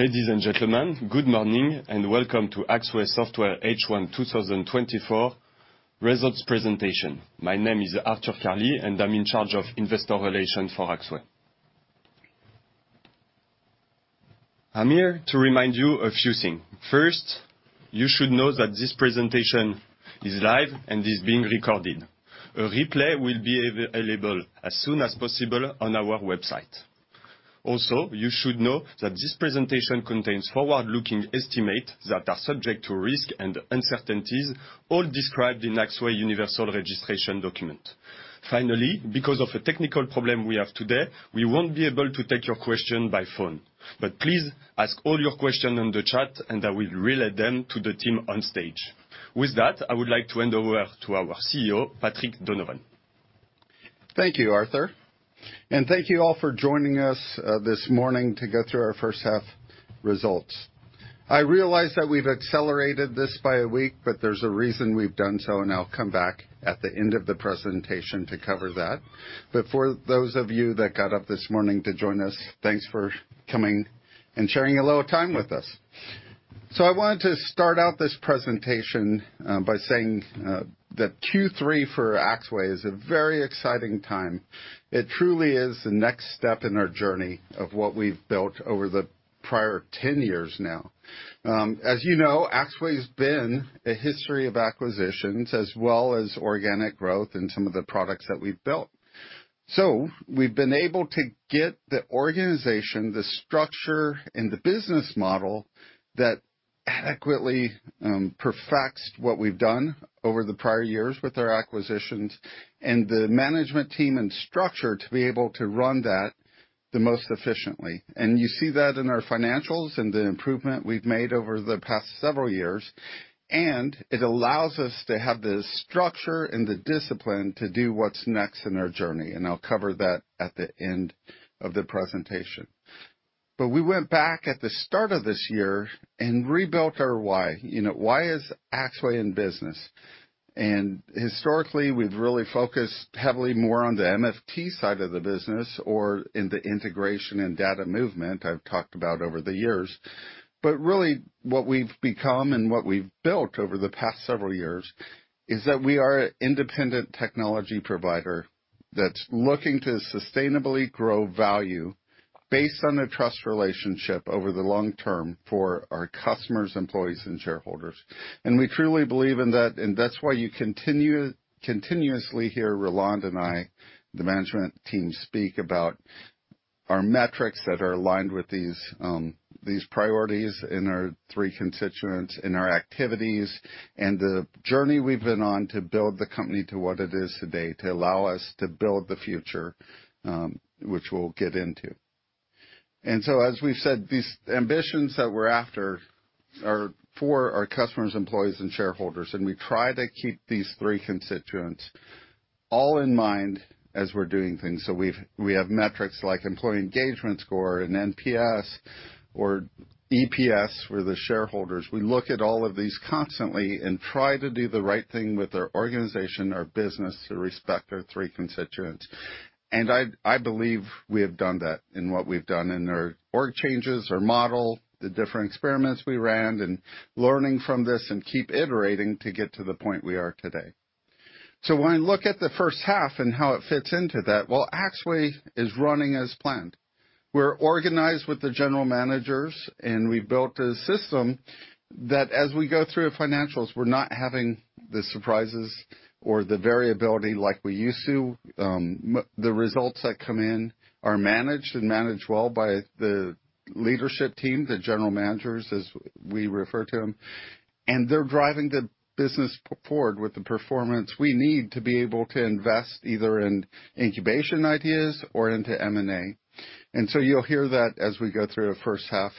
Ladies and gentlemen, good morning, and welcome to Axway Software H1 2024 results presentation. My name is Arthur Carli, and I'm in charge of investor relations for Axway. I'm here to remind you a few things. First, you should know that this presentation is live and is being recorded. A replay will be available as soon as possible on our website. Also, you should know that this presentation contains forward-looking estimates that are subject to risk and uncertainties, all described in Axway Universal Registration Document. Finally, because of a technical problem we have today, we won't be able to take your question by phone, but please ask all your questions on the chat, and I will relay them to the team on stage. With that, I would like to hand over to our CEO, Patrick Donovan. Thank you, Arthur, and thank you all for joining us this morning to go through our first half results. I realize that we've accelerated this by a week, but there's a reason we've done so, and I'll come back at the end of the presentation to cover that. But for those of you that got up this morning to join us, thanks for coming and sharing a little time with us. So I wanted to start out this presentation by saying that Q3 for Axway is a very exciting time. It truly is the next step in our journey of what we've built over the prior 10 years now. As you know, Axway's been a history of acquisitions as well as organic growth in some of the products that we've built. So we've been able to get the organization, the structure and the business model that adequately perfects what we've done over the prior years with our acquisitions and the management team and structure to be able to run that the most efficiently. And you see that in our financials and the improvement we've made over the past several years, and it allows us to have the structure and the discipline to do what's next in our journey, and I'll cover that at the end of the presentation. But we went back at the start of this year and rebuilt our why. You know, why is Axway in business? And historically, we've really focused heavily more on the MFT side of the business or in the integration and data movement I've talked about over the years. Really, what we've become and what we've built over the past several years is that we are an independent technology provider that's looking to sustainably grow value based on a trust relationship over the long term for our customers, employees, and shareholders. We truly believe in that, and that's why you continue continuously hear Roland and I, the management team, speak about our metrics that are aligned with these, these priorities in our three constituents, in our activities, and the journey we've been on to build the company to what it is today, to allow us to build the future, which we'll get into. As we've said, these ambitions that we're after are for our customers, employees, and shareholders, and we try to keep these three constituents all in mind as we're doing things. So we have metrics like employee engagement score and NPS or EPS for the shareholders. We look at all of these constantly and try to do the right thing with our organization, our business, to respect our three constituents. I believe we have done that in what we've done in our org changes, our model, the different experiments we ran, and learning from this and keep iterating to get to the point we are today. When I look at the first half and how it fits into that, well, Axway is running as planned. We're organized with the general managers, and we built a system that as we go through the financials, we're not having the surprises or the variability like we used to. The results that come in are managed and managed well by the leadership team, the general managers, as we refer to them, and they're driving the business forward with the performance we need to be able to invest either in incubation ideas or into M&A. And so you'll hear that as we go through the first half,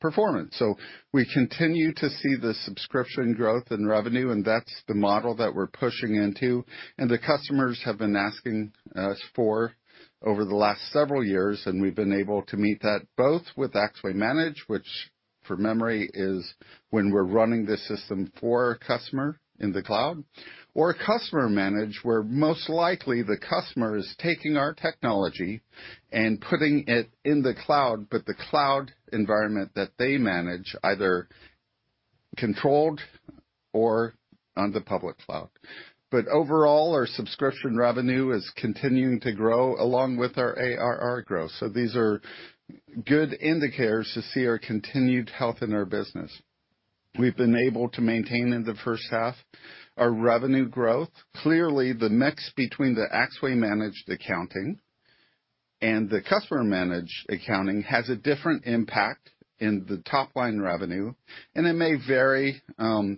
performance. So, we continue to see the subscription growth in revenue, and that's the model that we're pushing into, and the customers have been asking us for over the last several years, and we've been able to meet that both with Axway Managed, which, for memory, is when we're running the system for a customer in the cloud, or Customer Managed, where most likely the customer is taking our technology and putting it in the cloud, but the cloud environment that they manage, either controlled or on the public cloud. But overall, our subscription revenue is continuing to grow along with our ARR growth. So these are good indicators to see our continued health in our business. We've been able to maintain in the first half our revenue growth. Clearly, the mix between the Axway Managed accounting and the Customer Managed accounting has a different impact in the top line revenue, and it may vary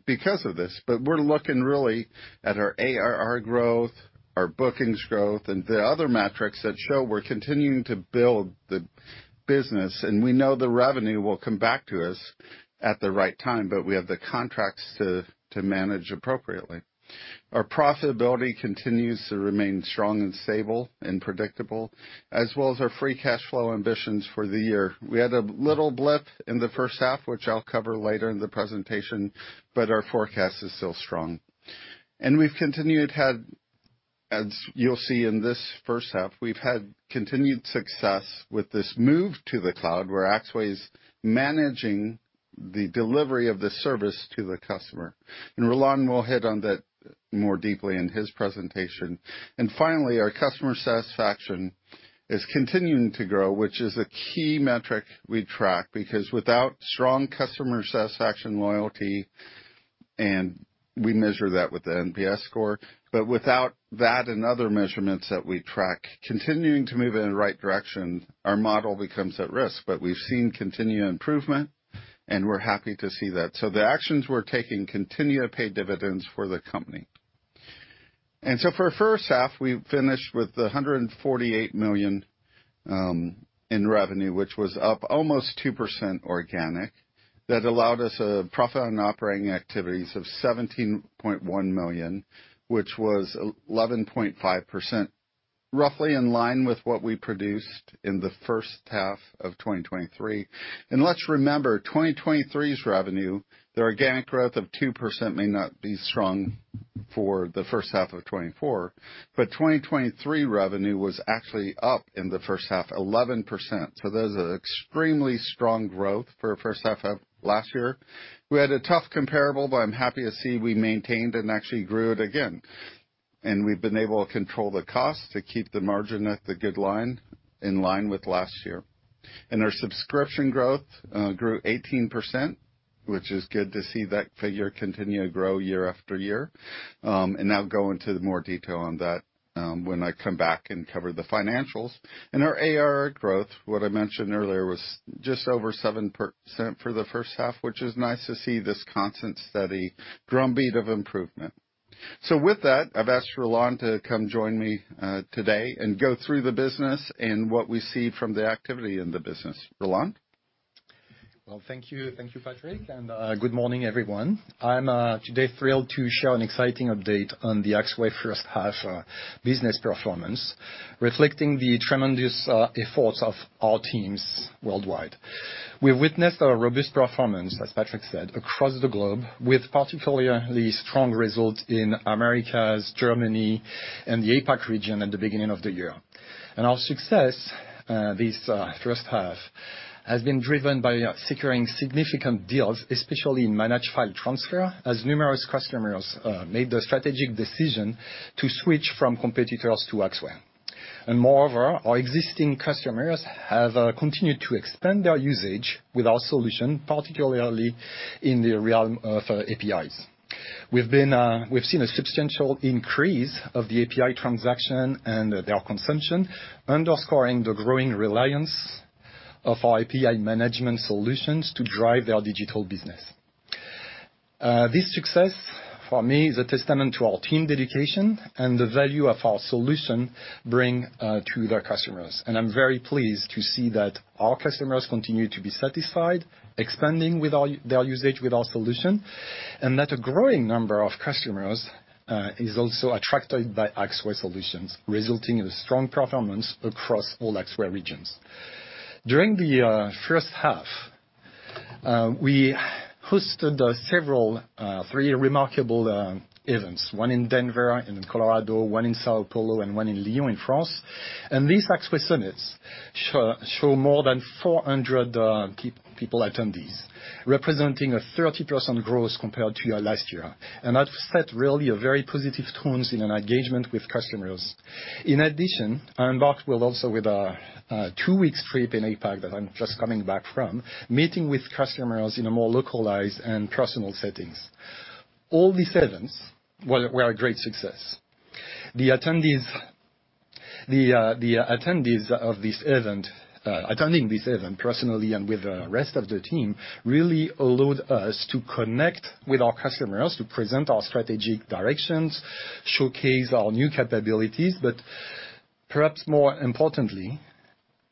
because of this, but we're looking really at our ARR growth, our bookings growth, and the other metrics that show we're continuing to build the business, and we know the revenue will come back to us at the right time, but we have the contracts to manage appropriately. Our profitability continues to remain strong and stable and predictable, as well as our free cash flow ambitions for the year. We had a little blip in the first half, which I'll cover later in the presentation, but our forecast is still strong. We've continued to have-... As you'll see in this first half, we've had continued success with this move to the cloud, where Axway is managing the delivery of the service to the customer, and Roland will hit on that more deeply in his presentation. Finally, our customer satisfaction is continuing to grow, which is a key metric we track, because without strong customer satisfaction, loyalty, and we measure that with the NPS score. But without that and other measurements that we track, continuing to move in the right direction, our model becomes at risk. But we've seen continued improvement, and we're happy to see that. The actions we're taking continue to pay dividends for the company. For first half, we finished with 148 million in revenue, which was up almost 2% organic. That allowed us a profit on operating activities of 17.1 million, which was 11.5%, roughly in line with what we produced in the first half of 2023. And let's remember, 2023's revenue, the organic growth of 2% may not be strong for the first half of 2024, but 2023 revenue was actually up in the first half, 11%. So those are extremely strong growth for first half of last year. We had a tough comparable, but I'm happy to see we maintained and actually grew it again. And we've been able to control the cost to keep the margin at the good line, in line with last year. And our subscription growth grew 18%, which is good to see that figure continue to grow year after year. I'll go into more detail on that, when I come back and cover the financials. Our ARR growth, what I mentioned earlier, was just over 7% for the first half, which is nice to see this constant, steady drumbeat of improvement. So with that, I've asked Roland to come join me, today and go through the business and what we see from the activity in the business. Roland? Well, thank you. Thank you, Patrick, and good morning, everyone. I'm today thrilled to share an exciting update on the Axway first half business performance, reflecting the tremendous efforts of our teams worldwide. We've witnessed a robust performance, as Patrick said, across the globe, with particularly strong results in Americas, Germany, and the APAC region at the beginning of the year. Our success this first half has been driven by securing significant deals, especially in managed file transfer, as numerous customers made the strategic decision to switch from competitors to Axway. Moreover, our existing customers have continued to expand their usage with our solution, particularly in the realm of APIs. We've seen a substantial increase of the API transaction and their consumption, underscoring the growing reliance of our API management solutions to drive their digital business. This success, for me, is a testament to our team dedication and the value of our solution bring to their customers, and I'm very pleased to see that our customers continue to be satisfied, expanding with their usage with our solution, and that a growing number of customers is also attracted by Axway solutions, resulting in a strong performance across all Axway regions. During the first half, we hosted three remarkable events. One in Denver, in Colorado, one in São Paulo, and one in Lyon, in France. And these Axway Summits show more than 400 people attendees, representing a 30% growth compared to last year. And that set really a very positive tones in an engagement with customers. In addition, I embarked well also with a two-week trip in APAC, that I'm just coming back from, meeting with customers in a more localized and personal settings. All these events were a great success. The attendees of this event, attending this event personally and with the rest of the team, really allowed us to connect with our customers, to present our strategic directions, showcase our new capabilities, but perhaps more importantly,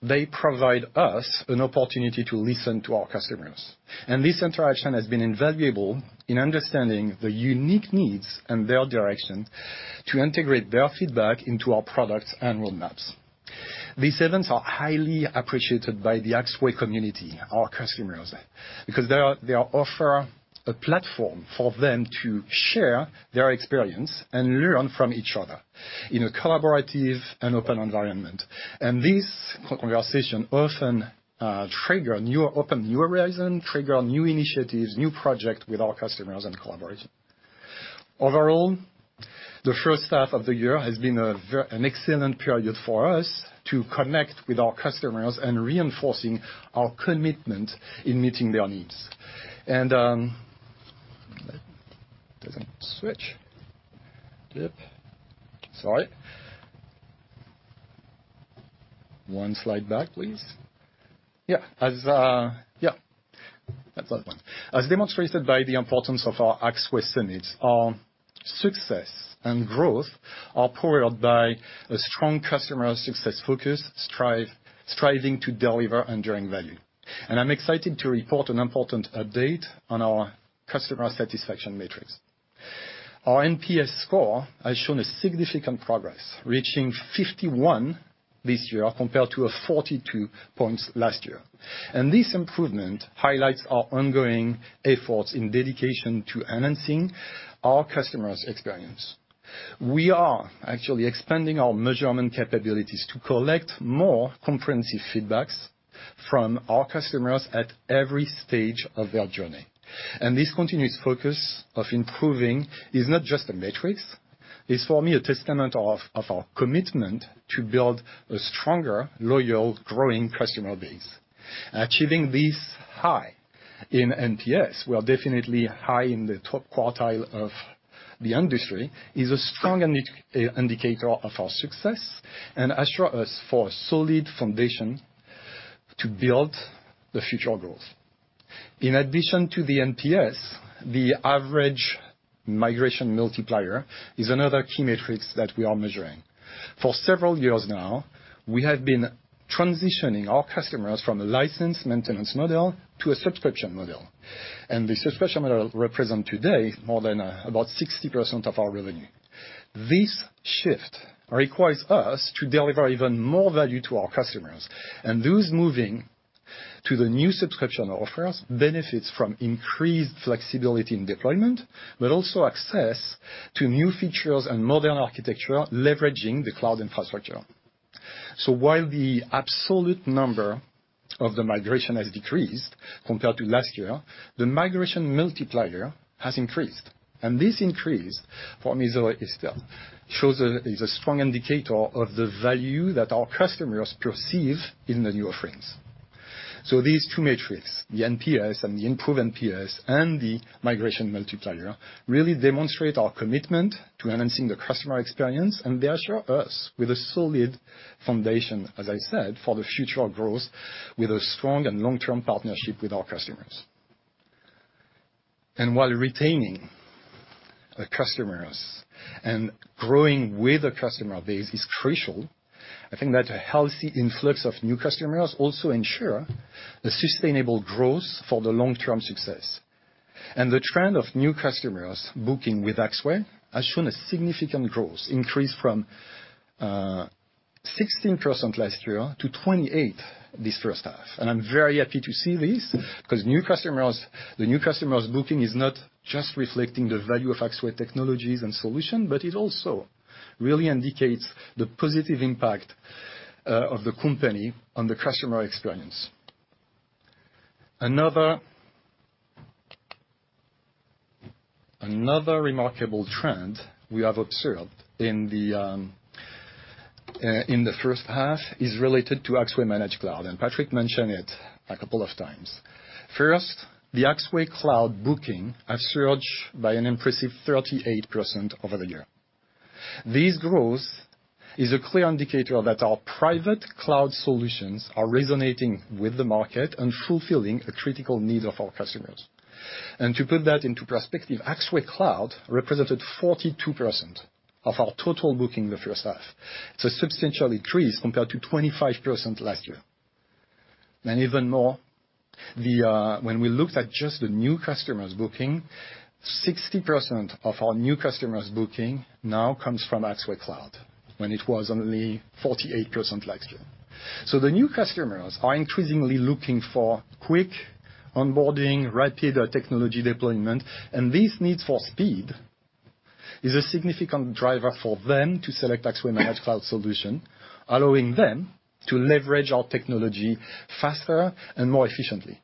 they provide us an opportunity to listen to our customers. And this interaction has been invaluable in understanding the unique needs and their direction to integrate their feedback into our products and roadmaps. These events are highly appreciated by the Axway community, our customers, because they offer a platform for them to share their experience and learn from each other in a collaborative and open environment. This conversation often trigger new, open new horizon, trigger new initiatives, new project with our customers and collaborate. Overall, the first half of the year has been an excellent period for us to connect with our customers and reinforcing our commitment in meeting their needs. As demonstrated by the importance of our Axway Summits, our success and growth are powered by a strong customer success focus, striving to deliver enduring value. I'm excited to report an important update on our customer satisfaction metrics. Our NPS score has shown a significant progress, reaching 51 this year, compared to a 42 points last year. This improvement highlights our ongoing efforts and dedication to enhancing our customers' experience. We are actually expanding our measurement capabilities to collect more comprehensive feedback from our customers at every stage of their journey. And this continuous focus on improving is not just a metric, it's, for me, a testament of our commitment to build a stronger, loyal, growing customer base. Achieving this high in NPS, we are definitely high in the top quartile of the industry, is a strong indicator of our success, and assures us for a solid foundation to build the future growth. In addition to the NPS, the average Migration Multiplier is another key metric that we are measuring. For several years now, we have been transitioning our customers from a license maintenance model to a subscription model, and the subscription model represents today more than about 60% of our revenue. This shift requires us to deliver even more value to our customers, and those moving to the new subscription offers benefits from increased flexibility in deployment, but also access to new features and modern architecture, leveraging the cloud infrastructure. So while the absolute number of the migration has decreased compared to last year, the Migration Multiplier has increased, and this increase, for me, though, is a strong indicator of the value that our customers perceive in the new offerings. So these two metrics, the NPS and the improved NPS and the Migration Multiplier, really demonstrate our commitment to enhancing the customer experience, and they assure us with a solid foundation, as I said, for the future growth, with a strong and long-term partnership with our customers. While retaining the customers and growing with the customer base is crucial, I think that a healthy influx of new customers also ensure the sustainable growth for the long-term success. The trend of new customers booking with Axway has shown a significant growth increase from 16% last year to 28% this first half. I'm very happy to see this, 'cause new customers, the new customers booking is not just reflecting the value of Axway technologies and solution, but it also really indicates the positive impact of the company on the customer experience. Another remarkable trend we have observed in the first half is related to Axway Managed Cloud, and Patrick mentioned it a couple of times. First, the Axway Cloud booking has surged by an impressive 38% over the year. This growth is a clear indicator that our private cloud solutions are resonating with the market and fulfilling a critical need of our customers. To put that into perspective, Axway Cloud represented 42% of our total booking the first half, it's a substantial increase compared to 25% last year. Even more, when we looked at just the new customers' booking, 60% of our new customers' booking now comes from Axway Cloud, when it was only 48% last year. So the new customers are increasingly looking for quick onboarding, rapid technology deployment, and this need for speed is a significant driver for them to select Axway Managed Cloud solution, allowing them to leverage our technology faster and more efficiently.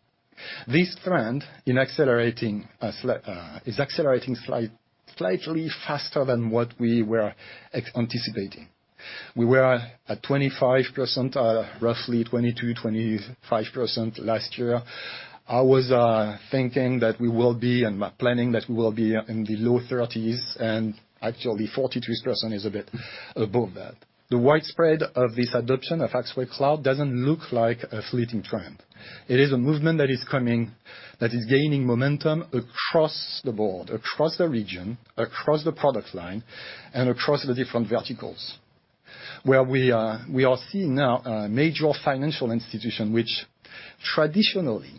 This trend is accelerating slightly faster than what we were anticipating. We were at 25%, roughly 22%-25% last year. I was, thinking that we will be, and my planning, that we will be in the low thirties, and actually 43% is a bit above that. The widespread of this adoption of Axway Cloud doesn't look like a fleeting trend. It is a movement that is coming, that is gaining momentum across the board, across the region, across the product line, and across the different verticals. Where we are, we are seeing now a major financial institution, which traditionally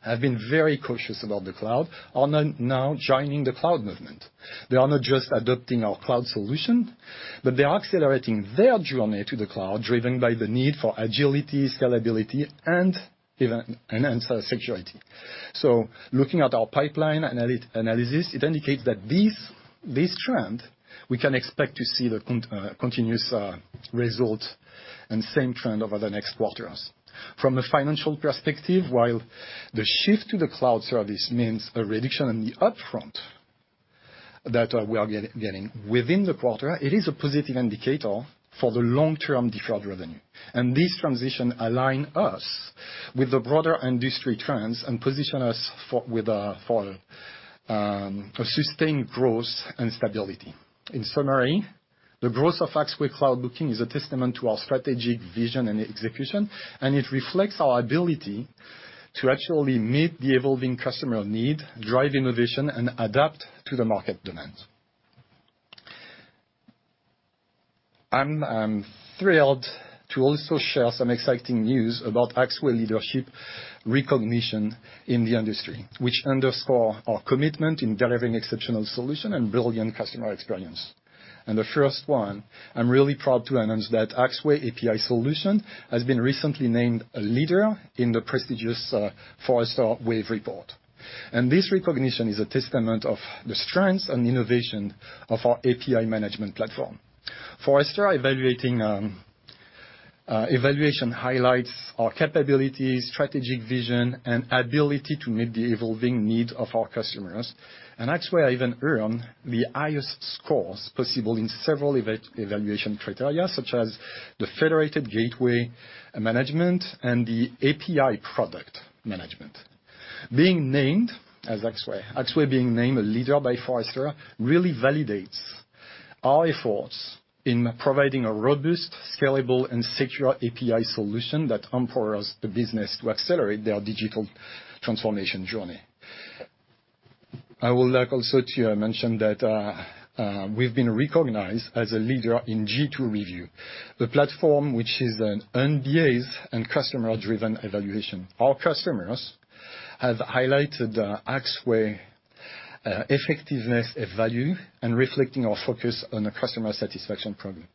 have been very cautious about the cloud, are now joining the cloud movement. They are not just adopting our cloud solution, but they are accelerating their journey to the cloud, driven by the need for agility, scalability, and even enhanced security. So looking at our pipeline analysis, it indicates that this trend, we can expect to see the continuous result and same trend over the next quarters. From a financial perspective, while the shift to the cloud service means a reduction in the upfront that we are getting within the quarter, it is a positive indicator for the long-term deferred revenue. This transition align us with the broader industry trends and position us for a sustained growth and stability. In summary, the growth of Axway Cloud booking is a testament to our strategic vision and execution, and it reflects our ability to actually meet the evolving customer need, drive innovation, and adapt to the market demands. I'm thrilled to also share some exciting news about Axway leadership recognition in the industry, which underscore our commitment in delivering exceptional solution and brilliant customer experience. And the first one, I'm really proud to announce that Axway API solution has been recently named a leader in the prestigious Forrester Wave report. And this recognition is a testament of the strength and innovation of our API management platform. Forrester evaluation highlights our capabilities, strategic vision, and ability to meet the evolving needs of our customers. And Axway even earn the highest scores possible in several evaluation criteria, such as the federated gateway management and the API product management. Axway being named a leader by Forrester really validates our efforts in providing a robust, scalable, and secure API solution that empowers the business to accelerate their digital transformation journey. I would like also to mention that we've been recognized as a leader in G2 review, the platform which is an independent and customer-driven evaluation. Our customers have highlighted Axway's effectiveness and value, and reflecting our focus on a customer satisfaction program.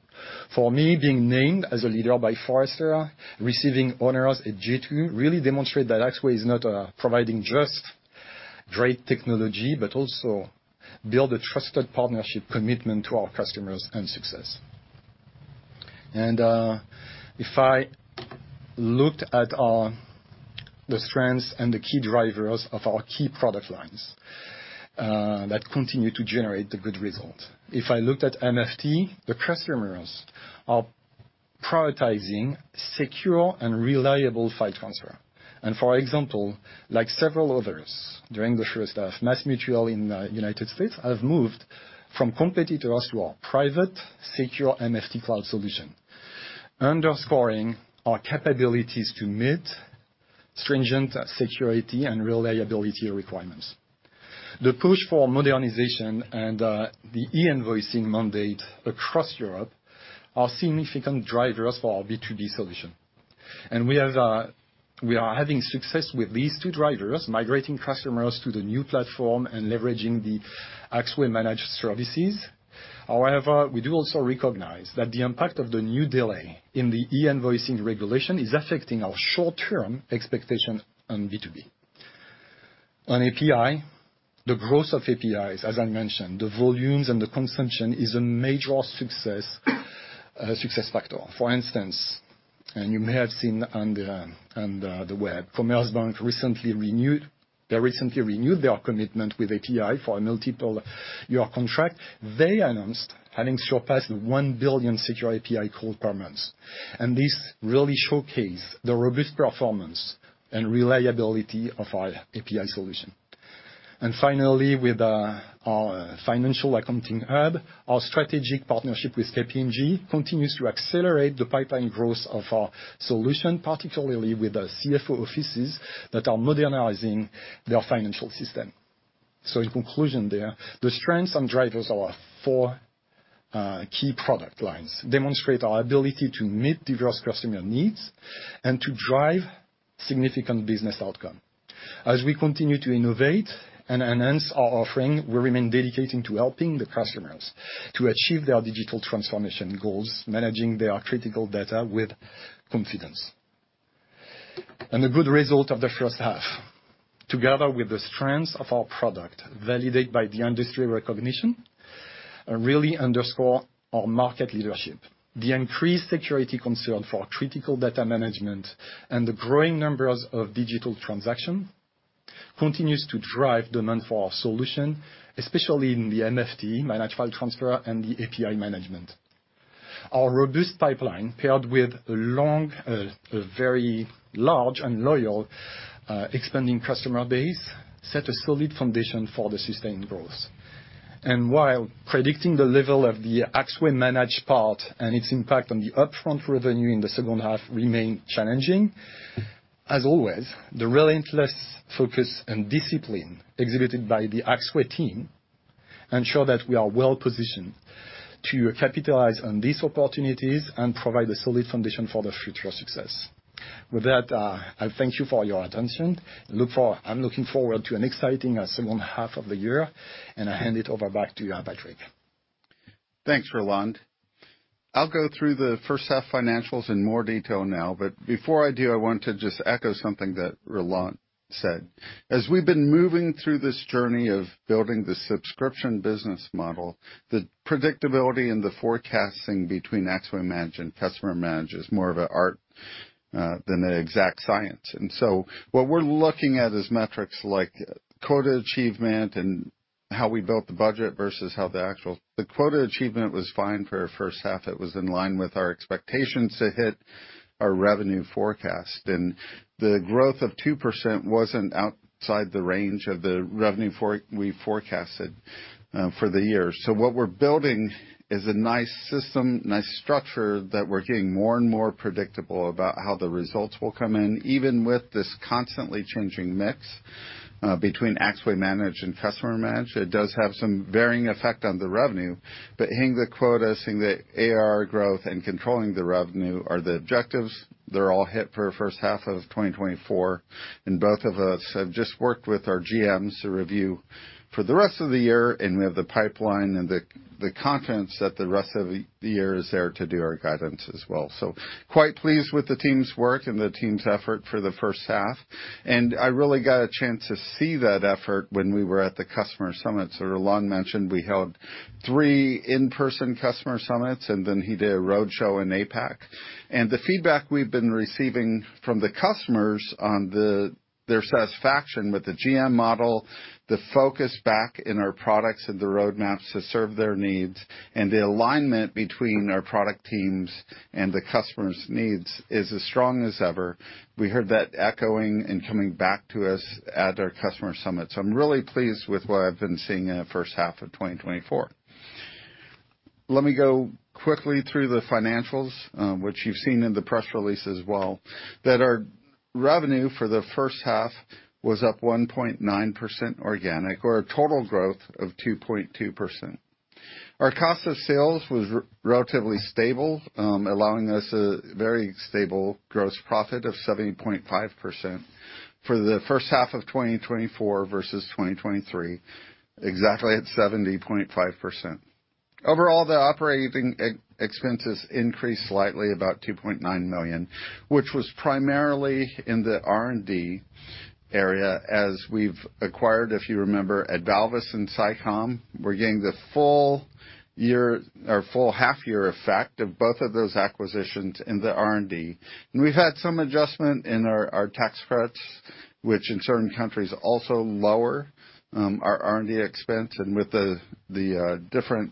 For me, being named as a leader by Forrester, receiving honors at G2, really demonstrate that Axway is not providing just great technology, but also build a trusted partnership commitment to our customers and success. If I looked at the strengths and the key drivers of our key product lines that continue to generate the good result. If I looked at MFT, the customers are prioritizing secure and reliable file transfer. And for example, like several others, during the first half, MassMutual in United States have moved from competitors to our private secure MFT cloud solution, underscoring our capabilities to meet stringent security and reliability requirements. The push for modernization and the e-invoicing mandate across Europe are significant drivers for our B2B solution. And we have we are having success with these two drivers, migrating customers to the new platform and leveraging the Axway managed services. However, we do also recognize that the impact of the new delay in the e-invoicing regulation is affecting our short-term expectations on B2B. On API, the growth of APIs, as I mentioned, the volumes and the consumption is a major success success factor. For instance, and you may have seen on the web, Commerzbank recently renewed their commitment with API for a multiple year contract. They announced having surpassed 1 billion secure API call permits, and this really showcase the robust performance and reliability of our API solution. Finally, with our Financial Accounting Hub, our strategic partnership with KPMG continues to accelerate the pipeline growth of our solution, particularly with the CFO offices that are modernizing their financial system. So in conclusion there, the strengths and drivers of our four key product lines demonstrate our ability to meet diverse customer needs and to drive significant business outcome. As we continue to innovate and enhance our offering, we remain dedicated to helping the customers to achieve their digital transformation goals, managing their critical data with confidence. The good result of the first half, together with the strengths of our product, validated by the industry recognition, really underscore our market leadership. The increased security concern for critical data management and the growing numbers of digital transaction continues to drive demand for our solution, especially in the MFT, Managed File Transfer, and the API management. Our robust pipeline, paired with a long, a very large and loyal, expanding customer base, set a solid foundation for the sustained growth. While predicting the level of the Axway Managed part and its impact on the upfront revenue in the second half remain challenging, as always, the relentless focus and discipline exhibited by the Axway team ensure that we are well positioned to capitalize on these opportunities and provide a solid foundation for the future success. With that, I thank you for your attention. I'm looking forward to an exciting, second half of the year, and I hand it over back to you, Patrick. Thanks, Roland. I'll go through the first half financials in more detail now, but before I do, I want to just echo something that Roland said. As we've been moving through this journey of building the subscription business model, the predictability and the forecasting between Axway Managed and Customer Managed is more of an art than an exact science. And so what we're looking at is metrics like quota achievement and how we built the budget versus how the actual... The quota achievement was fine for our first half. It was in line with our expectations to hit our revenue forecast, and the growth of 2% wasn't outside the range of the revenue we forecasted for the year. So what we're building is a nice system, nice structure, that we're getting more and more predictable about how the results will come in, even with this constantly changing mix between Axway Managed and Customer Managed. It does have some varying effect on the revenue, but hitting the quota, seeing the ARR growth and controlling the revenue are the objectives. They're all hit for the first half of 2024, and both of us have just worked with our GMs to review for the rest of the year, and we have the pipeline and the confidence that the rest of the year is there to do our guidance as well. So quite pleased with the team's work and the team's effort for the first half, and I really got a chance to see that effort when we were at the Customer Summit. So Roland mentioned we held 3 in-person customer summits, and then he did a roadshow in APAC. And the feedback we've been receiving from the customers on their satisfaction with the GM model, the focus back in our products and the roadmaps to serve their needs, and the alignment between our product teams and the customers' needs is as strong as ever. We heard that echoing and coming back to us at our customer summit. So I'm really pleased with what I've been seeing in the first half of 2024. Let me go quickly through the financials, which you've seen in the press release as well, that our revenue for the first half was up 1.9% organic, or a total growth of 2.2%. Our cost of sales was relatively stable, allowing us a very stable gross profit of 70.5% for the first half of 2024 versus 2023, exactly at 70.5%. Overall, the operating expenses increased slightly, about 2.9 million, which was primarily in the R&D area as we've acquired, if you remember, Advalvas and Cycom. We're getting the full year or full half year effect of both of those acquisitions in the R&D. We've had some adjustment in our, our tax credits, which in certain countries also lower our R&D expense. With the, the, different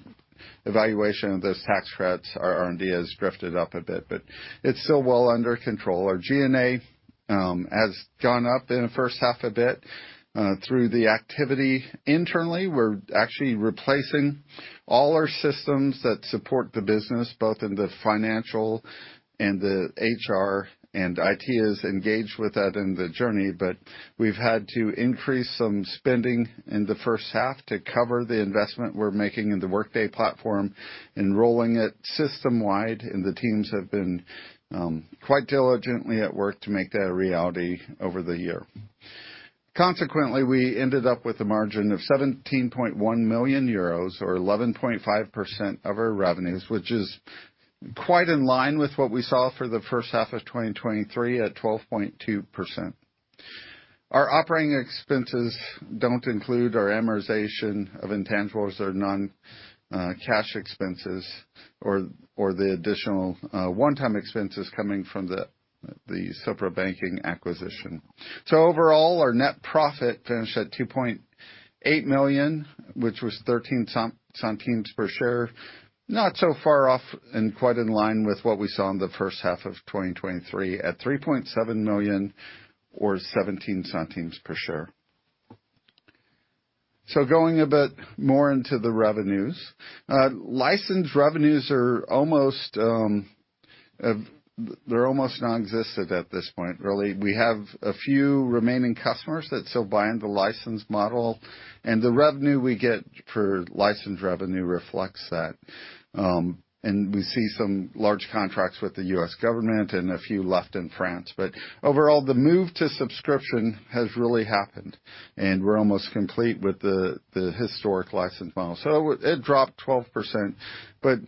evaluation of those tax credits, our R&D has drifted up a bit, but it's still well under control. Our G&A has gone up in the first half a bit, through the activity internally. We're actually replacing all our systems that support the business, both in the financial and the HR, and IT is engaged with that in the journey, but we've had to increase some spending in the first half to cover the investment we're making in the Workday platform and rolling it system-wide. The teams have been quite diligently at work to make that a reality over the year. Consequently, we ended up with a margin of 17.1 million euros, or 11.5% of our revenues, which is quite in line with what we saw for the first half of 2023 at 12.2%. Our operating expenses don't include our amortization of intangibles or non-cash expenses or the additional one-time expenses coming from the Sopra Banking acquisition. So overall, our net profit finished at 2.8 million, which was 0.13 EUR per share. Not so far off and quite in line with what we saw in the first half of 2023, at 3.7 million or 0.17 EUR per share. So going a bit more into the revenues. License revenues are almost, they're almost non-existent at this point, really. We have a few remaining customers that still buy into the license model, and the revenue we get for license revenue reflects that. And we see some large contracts with the U.S. government and a few left in France. But overall, the move to subscription has really happened, and we're almost complete with the historic license model. So it dropped 12%, but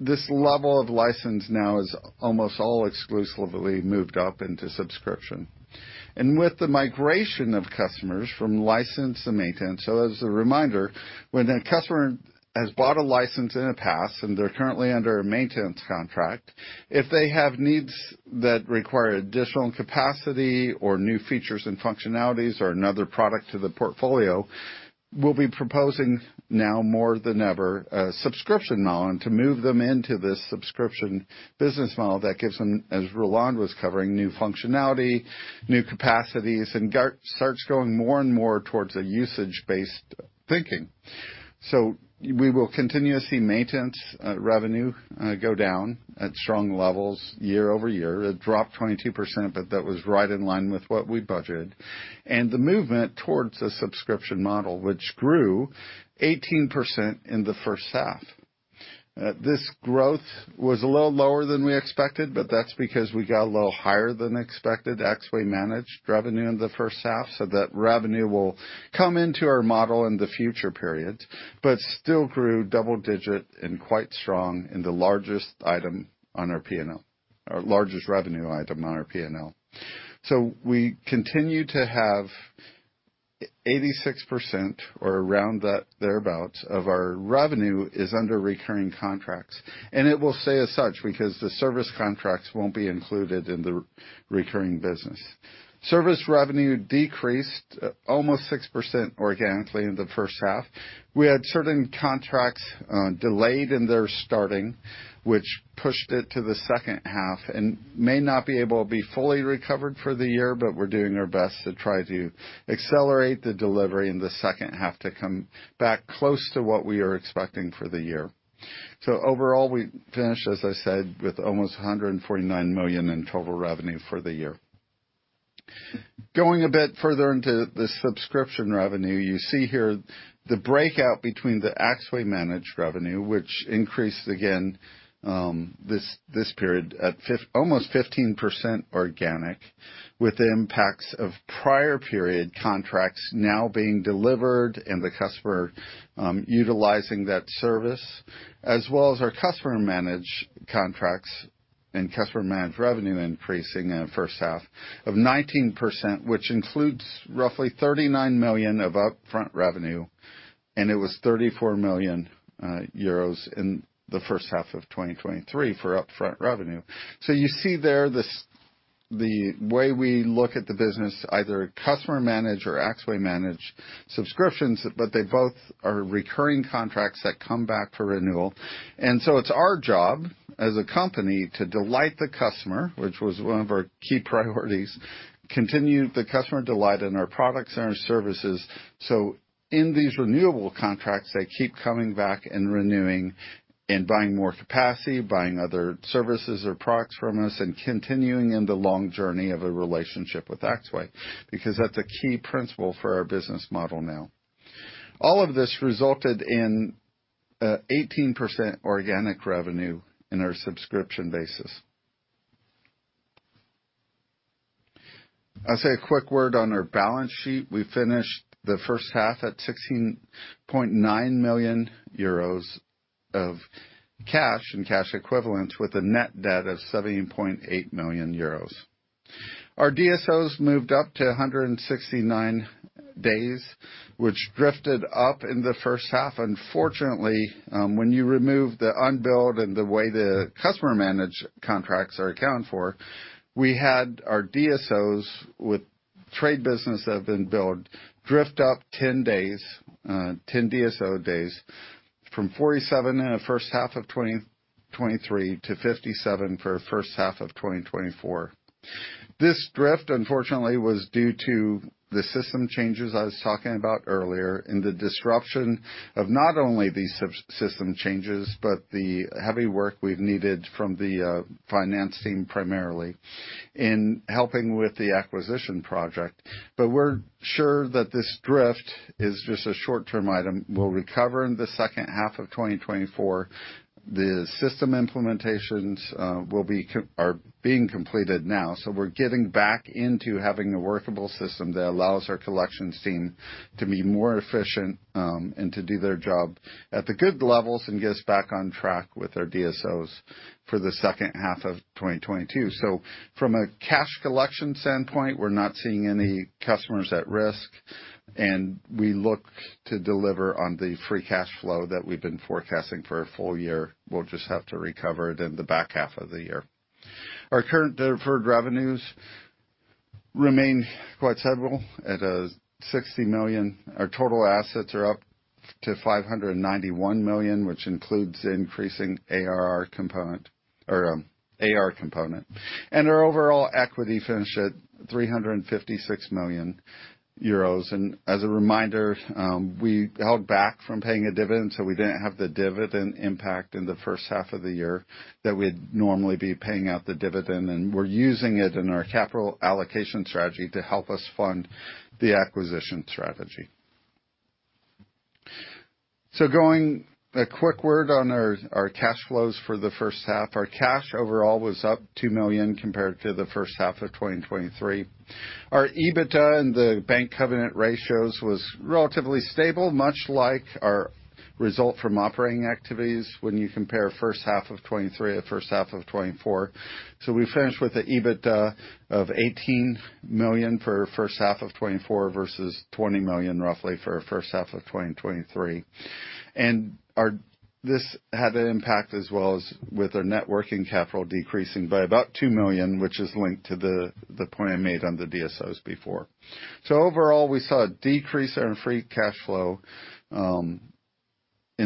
this level of license now is almost all exclusively moved up into subscription. With the migration of customers from license and maintenance. So as a reminder, when a customer has bought a license in the past and they're currently under a maintenance contract, if they have needs that require additional capacity or new features and functionalities or another product to the portfolio, we'll be proposing now more than ever, a subscription model, and to move them into this subscription business model that gives them, as Roland was covering, new functionality, new capacities, and starts going more and more towards a usage-based thinking. So we will continue to see maintenance revenue go down at strong levels year-over-year. It dropped 22%, but that was right in line with what we budgeted, and the movement towards a subscription model, which grew 18% in the first half. This growth was a little lower than we expected, but that's because we got a little higher than expected. Axway Managed revenue in the first half, so that revenue will come into our model in the future periods, but still grew double-digit and quite strong in the largest item on our P&L- or largest revenue item on our P&L. So we continue to have 86% or around that, thereabout, of our revenue is under recurring contracts, and it will stay as such because the service contracts won't be included in the recurring business. Service revenue decreased almost 6% organically in the first half. We had certain contracts, delayed in their starting, which pushed it to the second half, and may not be able to be fully recovered for the year, but we're doing our best to try to accelerate the delivery in the second half to come back close to what we are expecting for the year. So overall, we finished, as I said, with almost 149 million in total revenue for the year. Going a bit further into the subscription revenue, you see here the breakout between the Axway Managed revenue, which increased again this period at almost 15% organic, with the impacts of prior period contracts now being delivered and the customer utilizing that service, as well as our Customer Managed contracts and Customer Managed revenue increasing in the first half of 19%, which includes roughly 39 million of upfront revenue, and it was 34 million euros in the first half of 2023 for upfront revenue. So you see there, the way we look at the business, either Customer Managed or Axway Managed subscriptions, but they both are recurring contracts that come back for renewal. So it's our job, as a company, to delight the customer, which was one of our key priorities, continue the customer delight in our products and our services. So in these renewable contracts, they keep coming back and renewing and buying more capacity, buying other services or products from us, and continuing in the long journey of a relationship with Axway, because that's a key principle for our business model now. All of this resulted in 18% organic revenue in our subscription basis. I'll say a quick word on our balance sheet. We finished the first half at 16.9 million euros of cash and cash equivalents, with a net debt of 17.8 million euros. Our DSOs moved up to 169 days, which drifted up in the first half. Unfortunately, when you remove the unbilled and the way the Customer Managed contracts are accounted for, we had our DSOs with trade business that have been billed drift up 10 days, 10 DSO days, from 47 in the first half of 2023 to 57 for first half of 2024. This drift, unfortunately, was due to the system changes I was talking about earlier and the disruption of not only these subsystem changes, but the heavy work we've needed from the finance team, primarily in helping with the acquisition project. But we're sure that this drift is just a short-term item. We'll recover in the second half of 2024. The system implementations are being completed now, so we're getting back into having a workable system that allows our collections team to be more efficient, and to do their job at the good levels and get us back on track with our DSOs for the second half of 2022. So from a cash collection standpoint, we're not seeing any customers at risk, and we look to deliver on the free cash flow that we've been forecasting for a full year. We'll just have to recover it in the back half of the year. Our current deferred revenues remain quite stable at 60 million. Our total assets are up to 591 million, which includes the increasing ARR component or AR component. Our overall equity finished at 356 million euros. As a reminder, we held back from paying a dividend, so we didn't have the dividend impact in the first half of the year that we'd normally be paying out the dividend, and we're using it in our capital allocation strategy to help us fund the acquisition strategy. So a quick word on our cash flows for the first half. Our cash overall was up 2 million compared to the first half of 2023. Our EBITDA and the bank covenant ratios was relatively stable, much like our result from operating activities when you compare first half of 2023 to first half of 2024. So we finished with a EBITDA of 18 million for first half of 2024 versus 20 million, roughly, for first half of 2023. And this had an impact as well as with our net working capital decreasing by about 2 million, which is linked to the point I made on the DSOs before. So overall, we saw a decrease in free cash flow in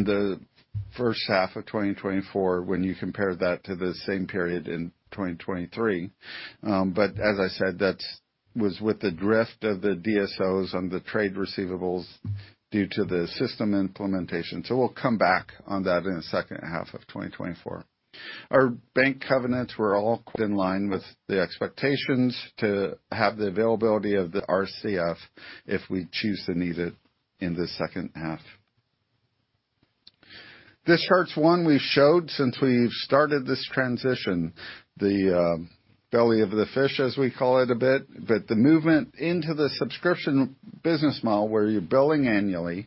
the first half of 2024 when you compare that to the same period in 2023. But as I said, that was with the drift of the DSOs on the trade receivables due to the system implementation, so we'll come back on that in the second half of 2024. Our bank covenants were all in line with the expectations to have the availability of the RCF if we choose to need it in the second half. This chart's one we've showed since we've started this transition, the belly of the fish, as we call it a bit, but the movement into the subscription business model, where you're billing annually,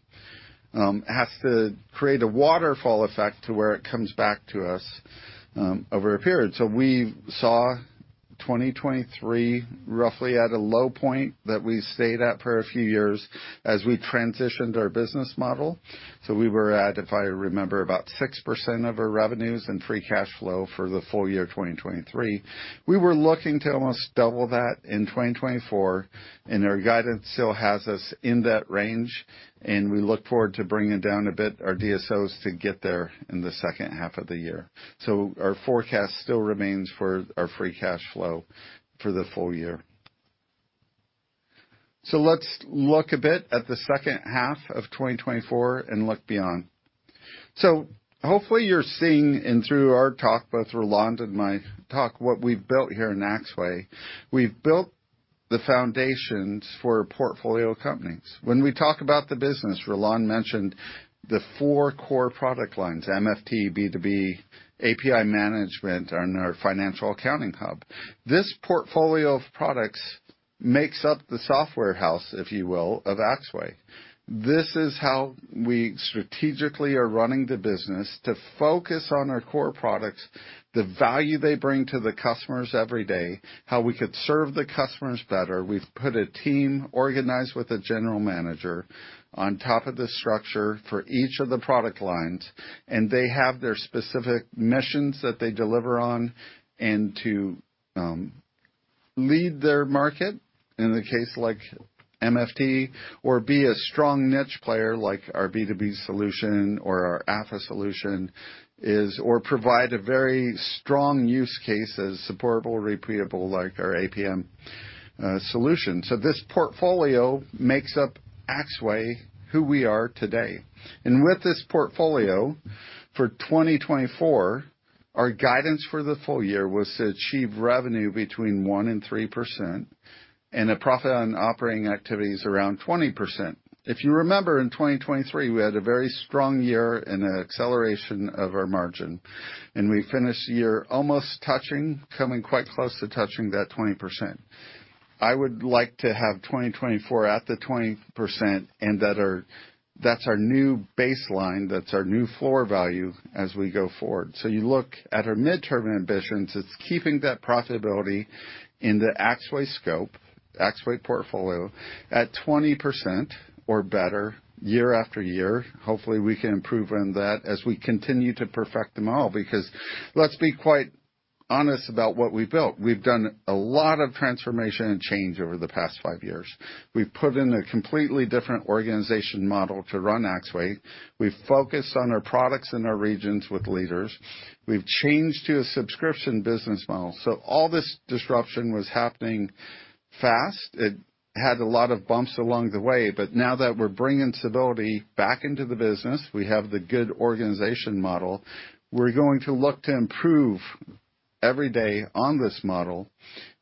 has to create a waterfall effect to where it comes back to us, over a period. So we saw 2023 roughly at a low point that we stayed at for a few years as we transitioned our business model. So we were at, if I remember, about 6% of our revenues and free cash flow for the full year of 2023. We were looking to almost double that in 2024, and our guidance still has us in that range, and we look forward to bringing down a bit our DSOs to get there in the second half of the year. Our forecast still remains for our free cash flow for the full year. Let's look a bit at the second half of 2024 and look beyond. Hopefully, you're seeing through our talk, both Roland and my talk, what we've built here in Axway. We've built the foundations for portfolio companies. When we talk about the business, Roland mentioned the four core product lines, MFT, B2B, API management, and our Financial Accounting Hub. This portfolio of products makes up the software house, if you will, of Axway. This is how we strategically are running the business to focus on our core products, the value they bring to the customers every day, how we could serve the customers better. We've put a team organized with a general manager on top of the structure for each of the product lines, and they have their specific missions that they deliver on, and to lead their market in a case like MFT, or be a strong niche player, like our B2B solution or our FAH solution is, or provide a very strong use case as supportable, repeatable, like our API solution. So this portfolio makes up Axway, who we are today. And with this portfolio, for 2024, our guidance for the full year was to achieve revenue between 1% and 3%, and a profit on operating activities around 20%. If you remember, in 2023, we had a very strong year and an acceleration of our margin, and we finished the year almost touching, coming quite close to touching that 20%. I would like to have 2024 at the 20% and that our—that's our new baseline, that's our new floor value as we go forward. So you look at our midterm ambitions, it's keeping that profitability in the Axway scope, Axway portfolio at 20% or better, year after year. Hopefully, we can improve on that as we continue to perfect the model, because let's be quite honest about what we built. We've done a lot of transformation and change over the past five years. We've put in a completely different organization model to run Axway. We've focused on our products and our regions with leaders. We've changed to a subscription business model. So all this disruption was happening fast. It had a lot of bumps along the way, but now that we're bringing stability back into the business, we have the good organization model. We're going to look to improve every day on this model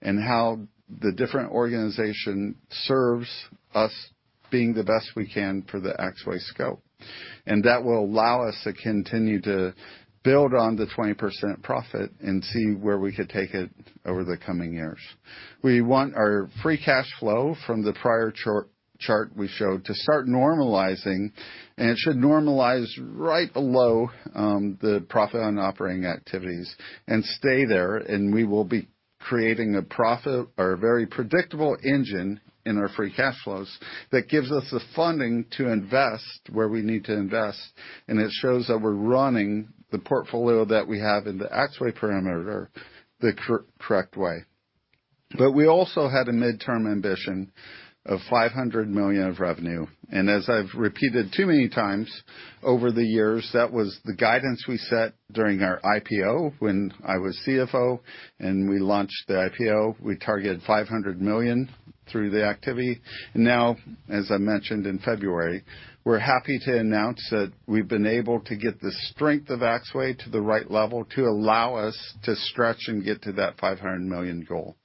and how the different organization serves us, being the best we can for the Axway scope. And that will allow us to continue to build on the 20% profit and see where we could take it over the coming years. We want our free cash flow from the prior chart we showed to start normalizing, and it should normalize right below the profit on operating activities and stay there, and we will be creating a profit or a very predictable engine in our free cash flows that gives us the funding to invest where we need to invest, and it shows that we're running the portfolio that we have in the Axway perimeter the correct way. But we also had a midterm ambition of 500 million of revenue. And as I've repeated too many times over the years, that was the guidance we set during our IPO when I was CFO, and we launched the IPO, we targeted 500 million through the activity. Now, as I mentioned in February, we're happy to announce that we've been able to get the strength of Axway to the right level to allow us to stretch and get to that 500 million goal.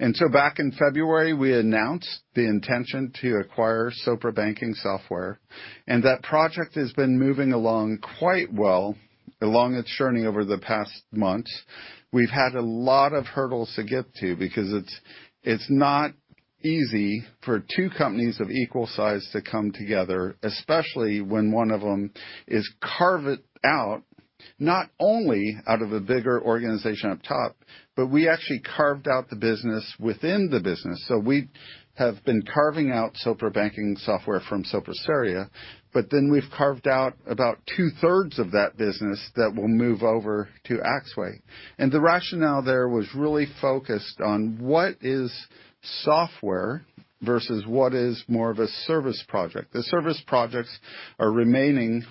And so back in February, we announced the intention to acquire Sopra Banking Software, and that project has been moving along quite well, along with churning over the past month. We've had a lot of hurdles to get to because it's not easy for two companies of equal size to come together, especially when one of them is carved out, not only out of a bigger organization up top, but we actually carved out the business within the business. So we have been carving out Sopra Banking Software from Sopra Steria, but then we've carved out about two-thirds of that business that will move over to Axway. The rationale there was really focused on what is software versus what is more of a service project. The service projects are remaining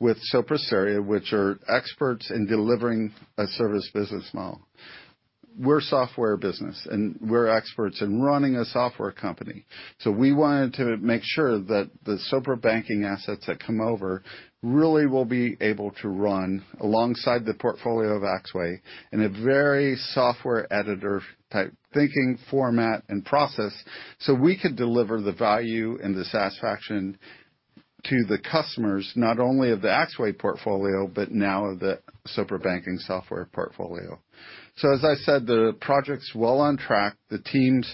with Sopra Steria, which are experts in delivering a service business model. We're a software business, and we're experts in running a software company. So we wanted to make sure that the Sopra Banking assets that come over really will be able to run alongside the portfolio of Axway in a very software editor-type thinking, format, and process, so we could deliver the value and the satisfaction to the customers, not only of the Axway portfolio, but now of the Sopra Banking Software portfolio. So as I said, the project's well on track. The teams,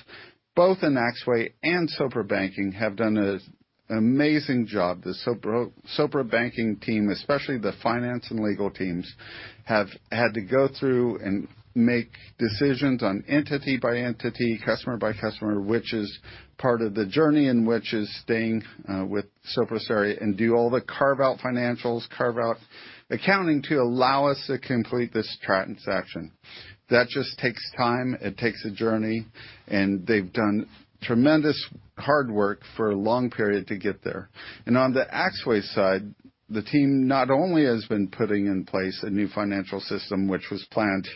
both in Axway and Sopra Banking, have done an amazing job. The Sopra Banking team, especially the finance and legal teams, have had to go through and make decisions on entity by entity, customer by customer, which is part of the journey in which is staying with Sopra Steria and do all the carve-out financials, carve-out accounting to allow us to complete this transaction. That just takes time, it takes a journey, and they've done tremendous hard work for a long period to get there. On the Axway side, the team not only has been putting in place a new financial system, which was planned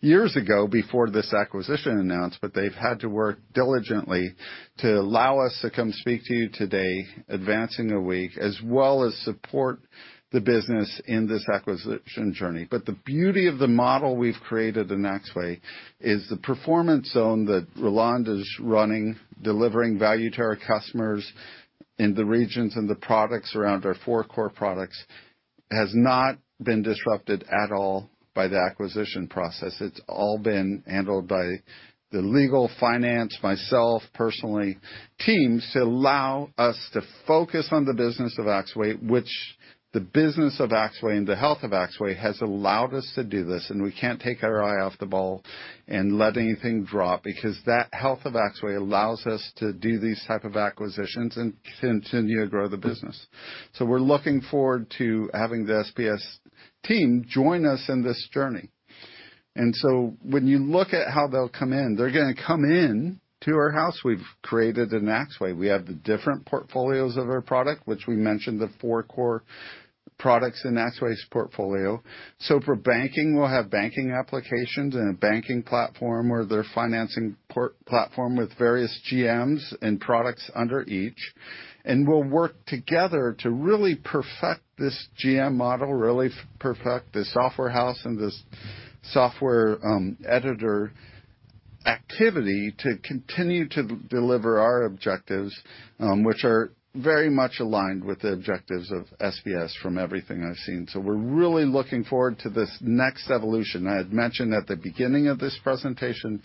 years ago before this acquisition announcement, but they've had to work diligently to allow us to come speak to you today, advancing a week, as well as support the business in this acquisition journey. But the beauty of the model we've created in Axway is the performance zone that Roland is running, delivering value to our customers in the regions and the products around our four core products.... has not been disrupted at all by the acquisition process. It's all been handled by the legal, finance, myself, personally, teams to allow us to focus on the business of Axway, which the business of Axway and the health of Axway has allowed us to do this, and we can't take our eye off the ball and let anything drop, because that health of Axway allows us to do these type of acquisitions and continue to grow the business. So we're looking forward to having the SBS team join us in this journey. And so when you look at how they'll come in, they're gonna come in to our house. We've created an Axway. We have the different portfolios of our product, which we mentioned, the four core products in Axway's portfolio. So for banking, we'll have banking applications and a banking platform, or their financing platform, with various GMs and products under each. And we'll work together to really perfect this GM model, really perfect the software house and this software editor activity to continue to deliver our objectives, which are very much aligned with the objectives of SBS from everything I've seen. So we're really looking forward to this next evolution. I had mentioned at the beginning of this presentation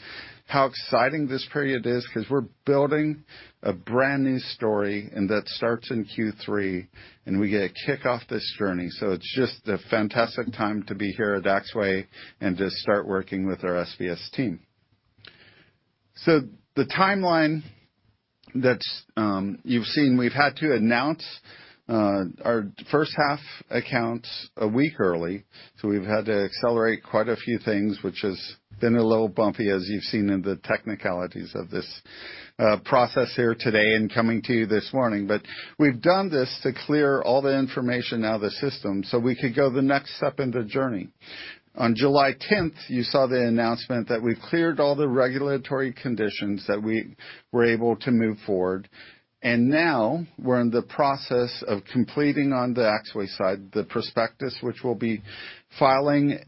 how exciting this period is, 'cause we're building a brand-new story, and that starts in Q3, and we get to kick off this journey. So it's just a fantastic time to be here at Axway and to start working with our SBS team. So the timeline that you've seen, we've had to announce our first half accounts a week early, so we've had to accelerate quite a few things, which has been a little bumpy, as you've seen in the technicalities of this process here today and coming to you this morning. But we've done this to clear all the information out of the system, so we could go the next step in the journey. On July tenth, you saw the announcement that we cleared all the regulatory conditions, that we were able to move forward. And now we're in the process of completing, on the Axway side, the prospectus, which we'll be filing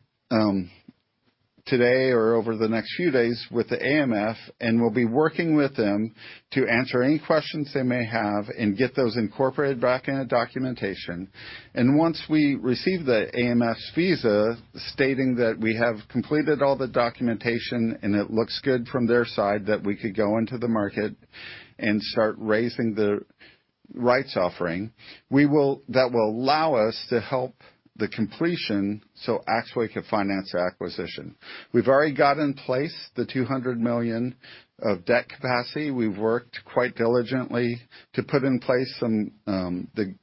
today or over the next few days with the AMF, and we'll be working with them to answer any questions they may have and get those incorporated back in the documentation. Once we receive the AMF's visa, stating that we have completed all the documentation, and it looks good from their side, that we could go into the market and start raising the rights offering. That will allow us to help the completion, so Axway can finance our acquisition. We've already got in place 200 million of debt capacity. We've worked quite diligently to put in place some, the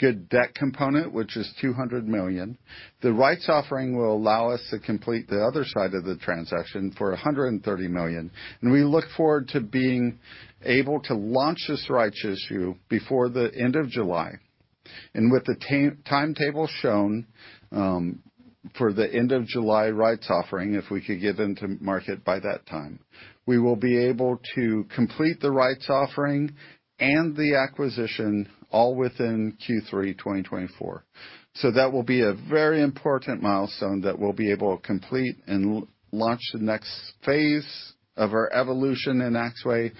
good debt component, which is 200 million. The rights offering will allow us to complete the other side of the transaction for 130 million, and we look forward to being able to launch this rights issue before the end of July. And with the timetable shown, for the end of July rights offering, if we could get into market by that time, we will be able to complete the rights offering and the acquisition all within Q3 2024. So that will be a very important milestone that we'll be able to complete and launch the next phase of our evolution in Axway.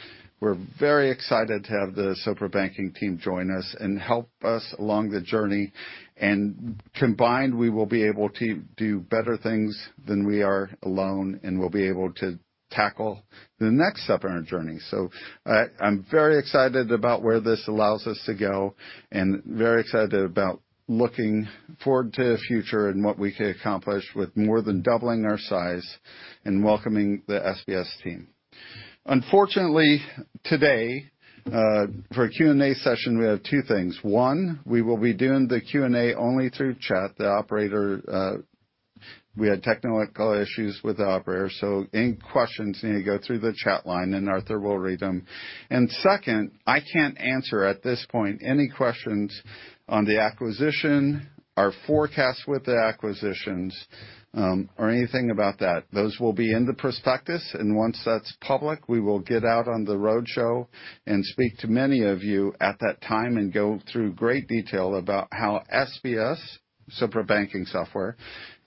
We're very excited to have the Sopra Banking team join us and help us along the journey, and combined, we will be able to do better things than we are alone, and we'll be able to tackle the next step in our journey. So I'm very excited about where this allows us to go and very excited about looking forward to the future and what we can accomplish with more than doubling our size and welcoming the SBS team. Unfortunately, today, for our Q&A session, we have two things: One, we will be doing the Q&A only through chat. The operator, we had technical issues with the operator, so any questions need to go through the chat line, and Arthur will read them. And second, I can't answer at this point, any questions on the acquisition, our forecast with the acquisitions, or anything about that. Those will be in the prospectus, and once that's public, we will get out on the roadshow and speak to many of you at that time and go through great detail about how SBS, Sopra Banking Software,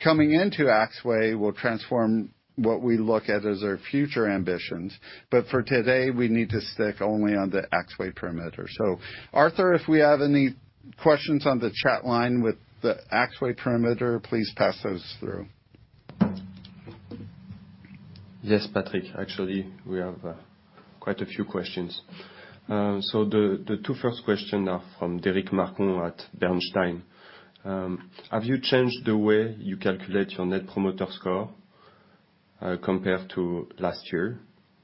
coming into Axway will transform what we look at as our future ambitions. But for today, we need to stick only on the Axway perimeter. So Arthur, if we have any questions on the chat line with the Axway perimeter, please pass those through. Yes, Patrick, actually, we have quite a few questions. So the two first questions are from Derric Marcon at Bernstein. Have you changed the way you calculate your Net Promoter Score compared to last year?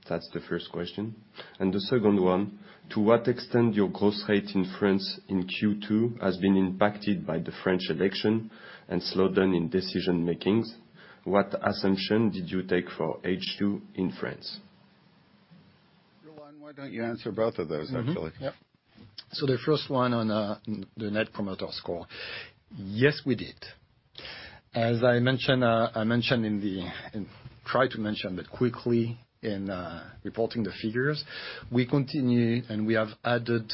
That's the first question. And the second one: To what extent your growth rate in France in Q2 has been impacted by the French election and slowdown in decision-making? What assumption did you take for H2 in France? Roland, why don't you answer both of those, actually? Mm-hmm. Yep. So the first one on the Net Promoter Score. Yes, we did. As I mentioned, tried to mention but quickly in reporting the figures, we continue, and we have added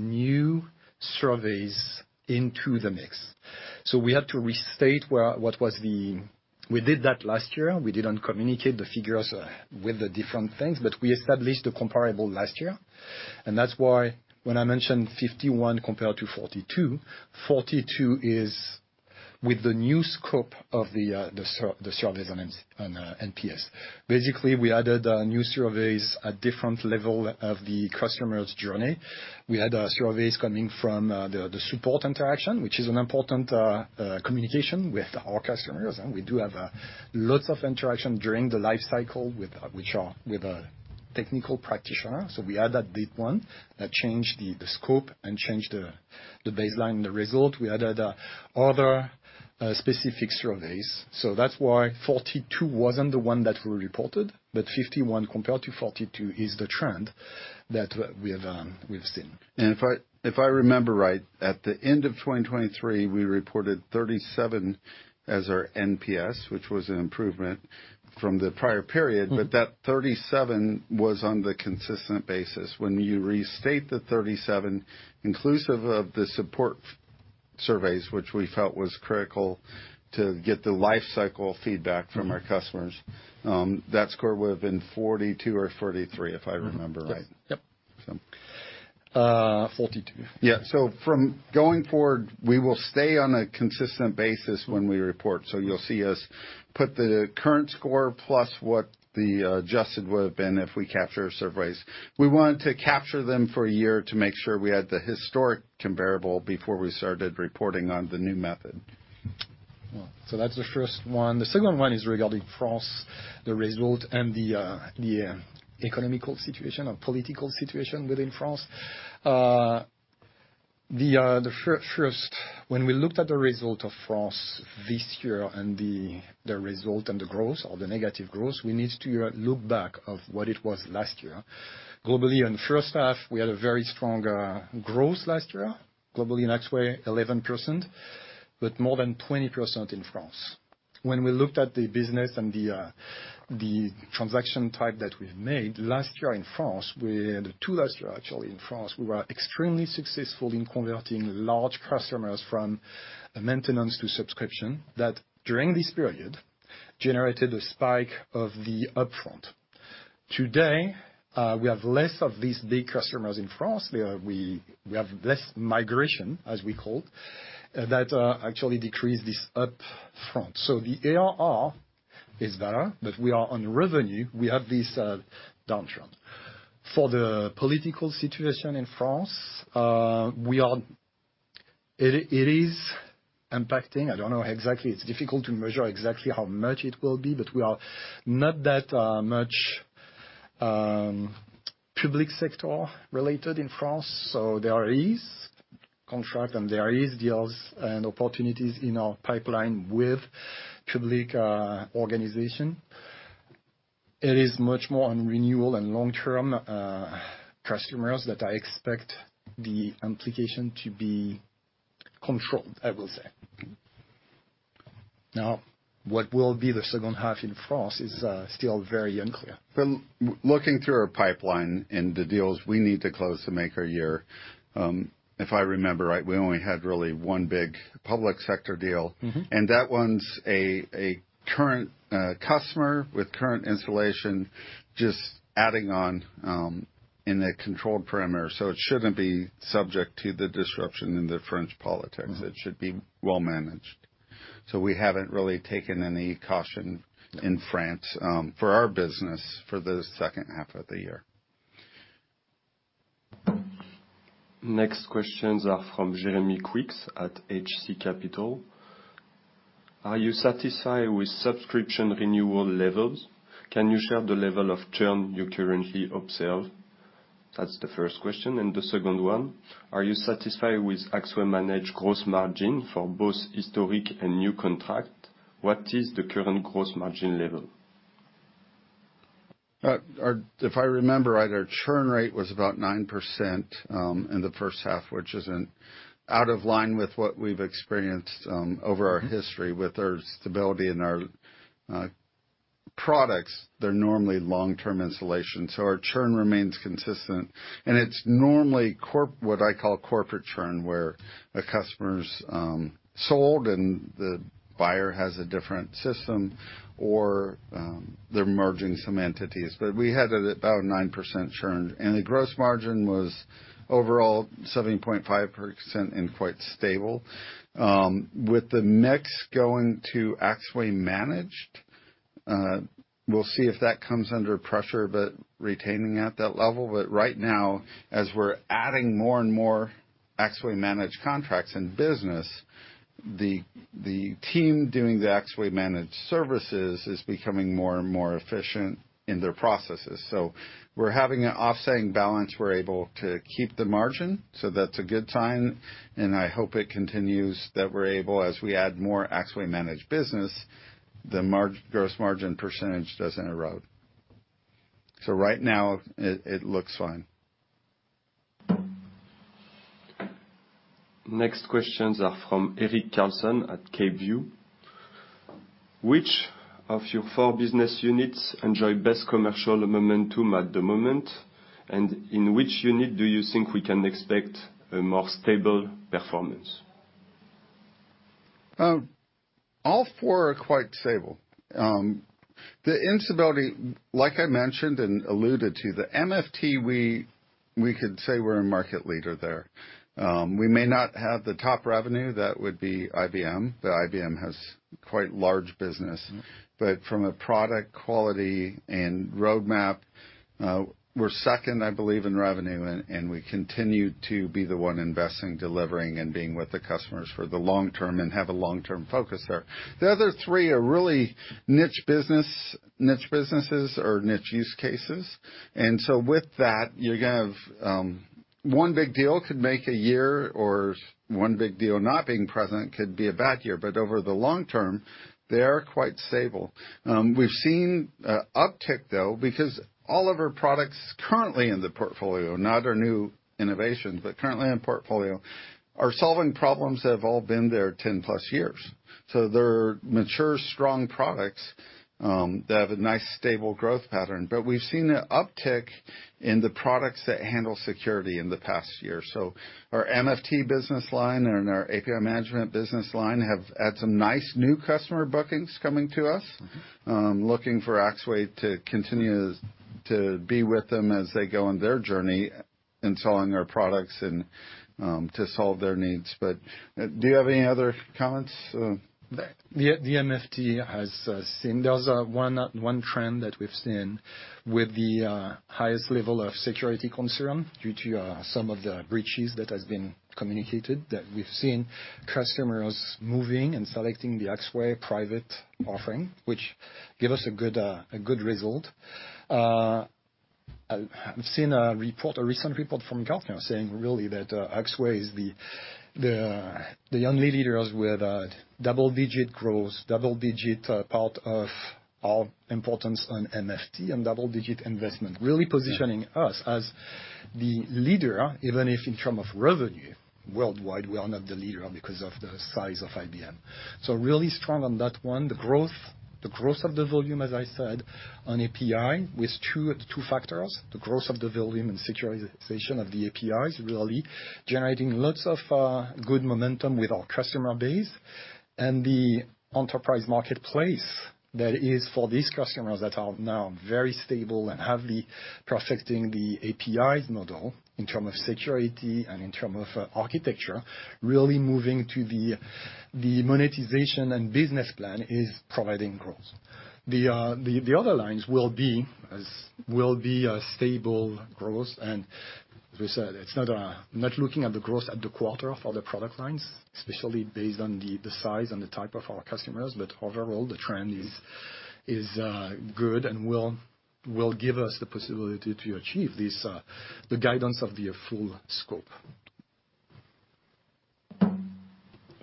new surveys into the mix. So we had to restate. We did that last year. We didn't communicate the figures with the different things, but we established the comparable last year, and that's why when I mentioned 51 compared to 42, 42 is with the new scope of the surveys on NPS. Basically, we added new surveys at different level of the customer's journey. We had surveys coming from the support interaction, which is an important communication with our customers, and we do have lots of interaction during the life cycle with, which are with a technical practitioner. So we added that one, that changed the scope and changed the baseline, the result. We added other specific surveys. So that's why 42 wasn't the one that we reported, but 51 compared to 42 is the trend that we have, we've seen. If I remember right, at the end of 2023, we reported 37 as our NPS, which was an improvement from the prior period. Mm-hmm. But that 37 was on the consistent basis. When you restate the 37, inclusive of the support surveys, which we felt was critical to get the life cycle feedback- Mm-hmm. -from our customers, that score would have been 42 or 43, if I remember right. Mm-hmm. Yep. Yep. So. Uh, forty-two. Yeah. So from going forward, we will stay on a consistent basis when we report. So you'll see us put the current score plus what the adjusted would have been if we capture surveys. We wanted to capture them for a year to make sure we had the historic comparable before we started reporting on the new method. Well, so that's the first one. The second one is regarding France, the result and the economic situation or political situation within France. First, when we looked at the result of France this year and the result and the growth or the negative growth, we need to look back at what it was last year. Globally, in the first half, we had a very strong growth last year. Globally, Axway, 11%, but more than 20% in France. When we looked at the business and the transaction type that we made last year in France, we had two last year. Actually, in France, we were extremely successful in converting large customers from a maintenance to subscription, that during this period generated a spike of the upfront. Today, we have less of these big customers in France. We, we have less migration, as we call that, actually decrease this upfront. So the ARR is better, but we are on revenue, we have this downtrend. For the political situation in France, we are, it, it is impacting, I don't know exactly. It's difficult to measure exactly how much it will be, but we are not that much public sector related in France, so there is contract, and there is deals and opportunities in our pipeline with public organization. It is much more on renewal and long-term customers that I expect the implication to be controlled, I will say. Now, what will be the second half in France is still very unclear. From looking through our pipeline and the deals we need to close to make our year, if I remember right, we only had really one big public sector deal. Mm-hmm. And that one's a current customer with current installation, just adding on, in a controlled perimeter, so it shouldn't be subject to the disruption in the French politics. Mm-hmm. It should be well managed. So we haven't really taken any caution- Yeah... in France, for our business for the second half of the year. Next questions are from Jérémie Couix at HC Capital: Are you satisfied with subscription renewal levels? Can you share the level of churn you currently observe? That's the first question. The second one: Are you satisfied with Axway Managed gross margin for both historic and new contract? What is the current gross margin level? If I remember right, our churn rate was about 9% in the first half, which isn't out of line with what we've experienced over our history. Mm-hmm. With our stability and our products, they're normally long-term installation, so our churn remains consistent. It's normally corporate churn, what I call corporate churn, where a customer's sold and the buyer has a different system or they're merging some entities. But we had it about 9% churn, and the gross margin was overall 7.5% and quite stable. With the mix going to Axway Managed, we'll see if that comes under pressure, but retaining at that level. But right now, as we're adding more and more Axway Managed contracts in business, the team doing the Axway Managed services is becoming more and more efficient in their processes. So we're having an offsetting balance. We're able to keep the margin, so that's a good sign, and I hope it continues, that we're able, as we add more Axway Managed business, the gross margin percentage doesn't erode. So right now, it looks fine. Next questions are from Eric Carson at K View: Which of your four business units enjoy best commercial momentum at the moment? And in which unit do you think we can expect a more stable performance? All four are quite stable. The instability, like I mentioned and alluded to, the MFT, we could say we're a market leader there. We may not have the top revenue, that would be IBM, but IBM has quite large business. But from a product quality and roadmap, we're second, I believe, in revenue, and we continue to be the one investing, delivering, and being with the customers for the long term and have a long-term focus there. The other three are really niche business, niche businesses or niche use cases. And so with that, you have, one big deal could make a year, or one big deal not being present could be a bad year. But over the long term, they are quite stable. We've seen an uptick, though, because all of our products currently in the portfolio, not our new innovations, but currently in portfolio, are solving problems that have all been there 10+ years. So they're mature, strong products that have a nice, stable growth pattern. But we've seen an uptick in the products that handle security in the past year. So our MFT business line and our API management business line have had some nice new customer bookings coming to us, looking for Axway to continue to, to be with them as they go on their journey installing our products and to solve their needs. But do you have any other comments? The MFT has seen— There's one trend that we've seen with the highest level of security concern due to some of the breaches that has been communicated, that we've seen customers moving and selecting the Axway private offering, which give us a good result. I've seen a recent report from Gartner saying really that Axway is the only leaders with a double-digit growth, double-digit part of our importance on MFT and double-digit investment, really positioning us as the leader, even if in term of revenue worldwide, we are not the leader because of the size of IBM. So really strong on that one. The growth of the volume, as I said, on API, with two factors, the growth of the volume and securitization of the APIs, really generating lots of good momentum with our customer base. The Enterprise Marketplace that is for these customers that are now very stable and have the protecting the APIs model in term of security and in term of architecture, really moving to the monetization and business plan is providing growth. The other lines will be a stable growth. And as I said, it's not looking at the growth at the quarter for the product lines, especially based on the size and the type of our customers. But overall, the trend is good and will give us the possibility to achieve this the guidance of the full scope.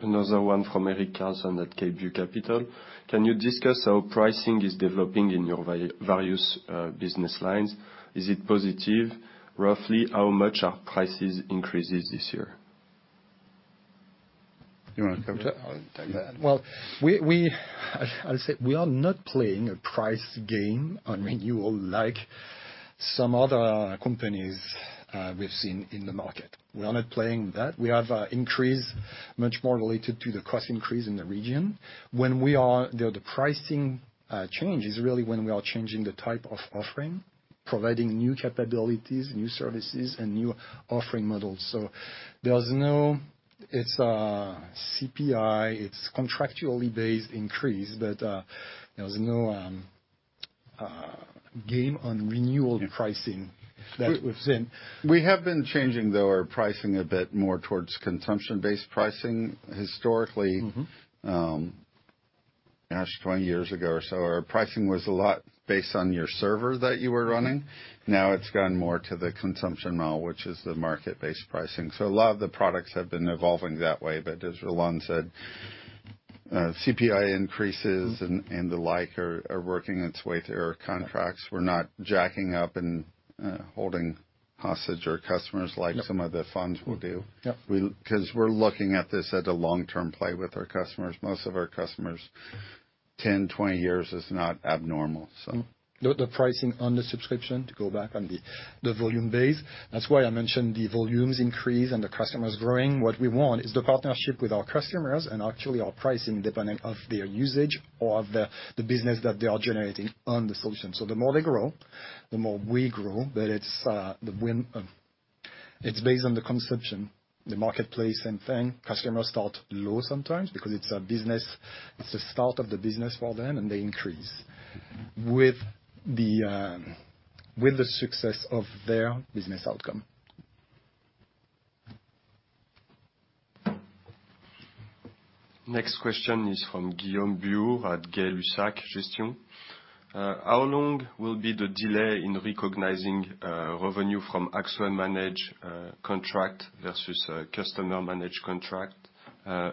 Another one from Eric Carson at K View Capital. Can you discuss how pricing is developing in your various business lines? Is it positive? Roughly how much are price increases this year? You wanna cover that? I'll take that. Well, I'll say, we are not playing a price game on renewal like some other companies we've seen in the market. We are not playing that. We have increase much more related to the cost increase in the region. When we are... The pricing change is really when we are changing the type of offering, providing new capabilities, new services, and new offering models. So there's no, it's a CPI, it's contractually based increase, but, there's no game on renewal pricing that we've seen. We have been changing, though, our pricing a bit more towards consumption-based pricing. Historically- Mm-hmm. Gosh, 20 years ago or so, our pricing was a lot based on your server that you were running. Now, it's gone more to the consumption model, which is the market-based pricing. So a lot of the products have been evolving that way. But as Roland said, CPI increases. Mm-hmm. and the like are working its way through our contracts. We're not jacking up and holding hostage our customers- Yep. like some of the funds will do. Yep. We, 'cause we're looking at this as a long-term play with our customers. Most of our customers, 10, 20 years is not abnormal, so. Mm-hmm. The pricing on the subscription, to go back on the volume base, that's why I mentioned the volumes increase and the customers growing. What we want is the partnership with our customers, and actually, our pricing dependent of their usage or of the business that they are generating on the solution. So the more they grow, the more we grow, but it's the win. It's based on the consumption, the marketplace, same thing. Customers start low sometimes because it's a business, it's a start of the business for them, and they increase- Mm-hmm -with the, with the success of their business outcome. Next question is from Guillaume Buhours at Gay-Lussac Gestion. How long will be the delay in recognizing revenue from Axway Managed contract versus a Customer Managed contract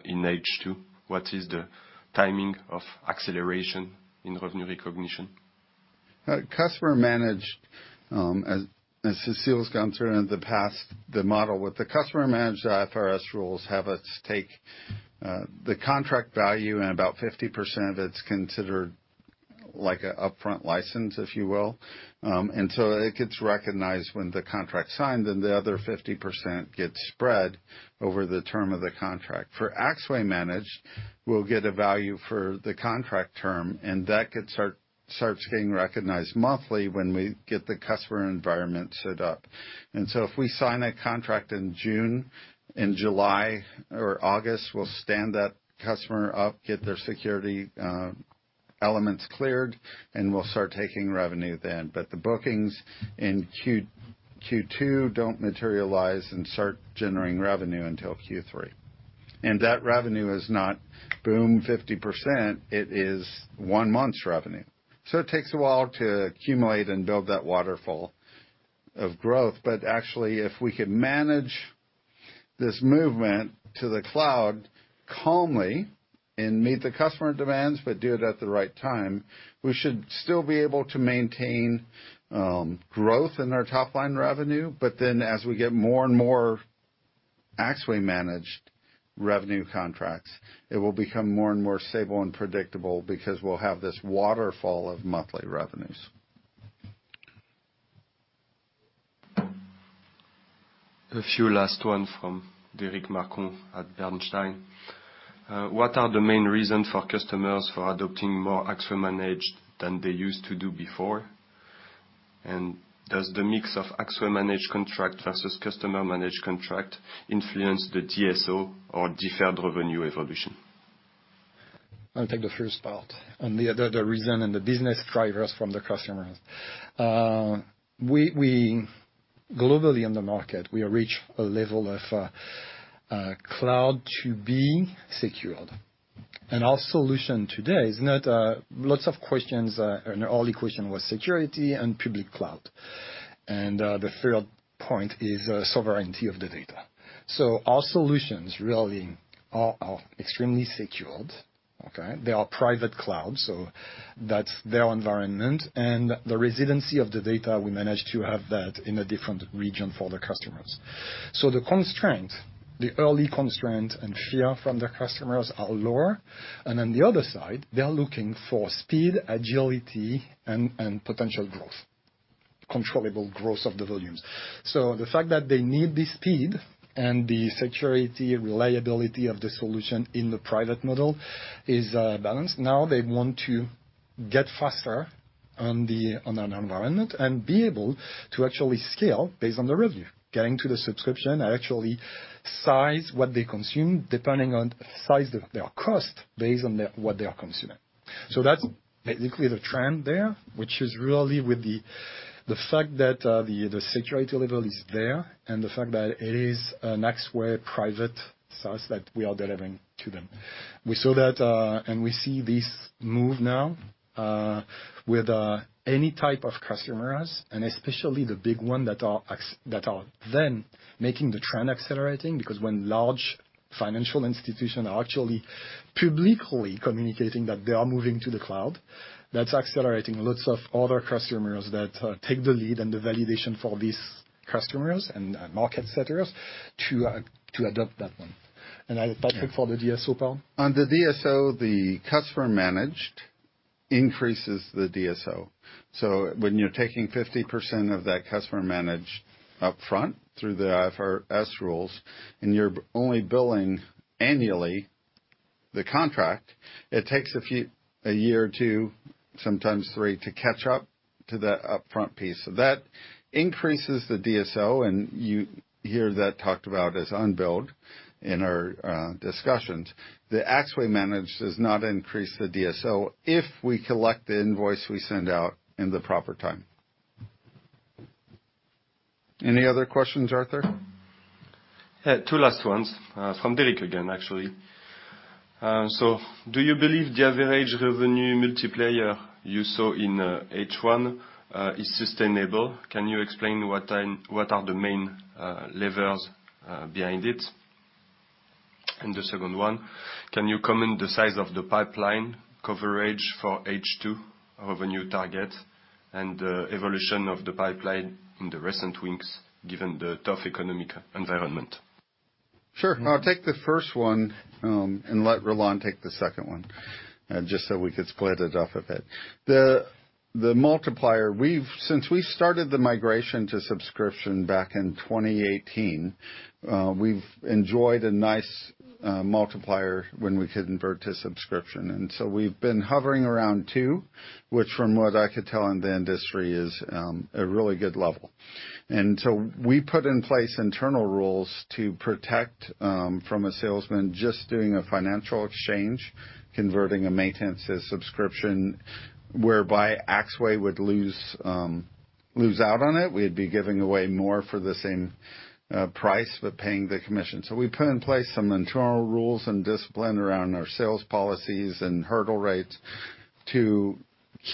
in H2? What is the timing of acceleration in revenue recognition? Customer Managed, as Cécile has gone through in the past, the model with the Customer Managed IFRS rules have us take the contract value, and about 50% of it's considered like a upfront license, if you will. And so it gets recognized when the contract's signed, and the other 50% gets spread over the term of the contract. For Axway Managed, we'll get a value for the contract term, and that starts getting recognized monthly when we get the customer environment set up. And so if we sign a contract in June, in July or August, we'll stand that customer up, get their security elements cleared, and we'll start taking revenue then. But the bookings in Q2 don't materialize and start generating revenue until Q3. And that revenue is not boom, 50%, it is one month's revenue. So it takes a while to accumulate and build that waterfall of growth. But actually, if we could manage this movement to the cloud calmly and meet the customer demands, but do it at the right time, we should still be able to maintain growth in our top line revenue. But then, as we get more and more Axway Managed revenue contracts, it will become more and more stable and predictable because we'll have this waterfall of monthly revenues. A few last one from Derric Marcon at Bernstein. What are the main reasons for customers for adopting more Axway Managed than they used to do before? And does the mix of Axway Managed contract versus Customer Managed contract influence the DSO or deferred revenue evolution? I'll take the first part, on the other, the reason and the business drivers from the customers. We globally in the market, we have reached a level of cloud to being secured. And our solution today is not lots of questions, and all the question was security and public cloud. And the third point is sovereignty of the data. So our solutions really are extremely secured, okay? They are private cloud, so that's their environment, and the residency of the data, we manage to have that in a different region for the customers. So the constraint, the early constraint and fear from the customers are lower, and on the other side, they are looking for speed, agility, and potential growth, controllable growth of the volumes. So the fact that they need the speed and the security, reliability of the solution in the private model is balanced. Now they want to get faster on an environment and be able to actually scale based on the revenue, getting to the subscription and actually size what they consume, depending on size of their cost, based on their what they are consuming. So that's basically the trend there, which is really with the fact that the security level is there, and the fact that it is an Axway private SaaS that we are delivering to them. We saw that, and we see this move now with any type of customers, and especially the big one that are then making the trend accelerating. Because when large financial institutions are actually publicly communicating that they are moving to the cloud, that's accelerating lots of other customers that take the lead and the validation for these customers and market setters to adopt that one. And I, Patrick, for the DSO part? On the DSO, the Customer Managed increases the DSO. So when you're taking 50% of that Customer Managed upfront through the IFRS rules, and you're only billing annually the contract, it takes a year or two, sometimes three, to catch up to the upfront piece. So that increases the DSO, and you hear that talked about as unbilled in our discussions. The Axway Managed does not increase the DSO if we collect the invoice we send out in the proper time. Any other questions, Arthur? Yeah, two last ones, from Derric again, actually. So do you believe the average revenue multiplier you saw in H1 is sustainable? Can you explain what are the main levers behind it? And the second one, can you comment the size of the pipeline coverage for H2 revenue target and evolution of the pipeline in the recent weeks, given the tough economic environment? Sure. I'll take the first one, and let Roland take the second one, just so we could split it up a bit. The multiplier, we've since we started the migration to subscription back in 2018, we've enjoyed a nice multiplier when we convert to subscription. And so we've been hovering around two, which, from what I could tell in the industry, is a really good level. And so we put in place internal rules to protect from a salesman just doing a financial exchange, converting a maintenance to subscription, whereby Axway would lose, lose out on it. We'd be giving away more for the same price, but paying the commission. So we put in place some internal rules and discipline around our sales policies and hurdle rates to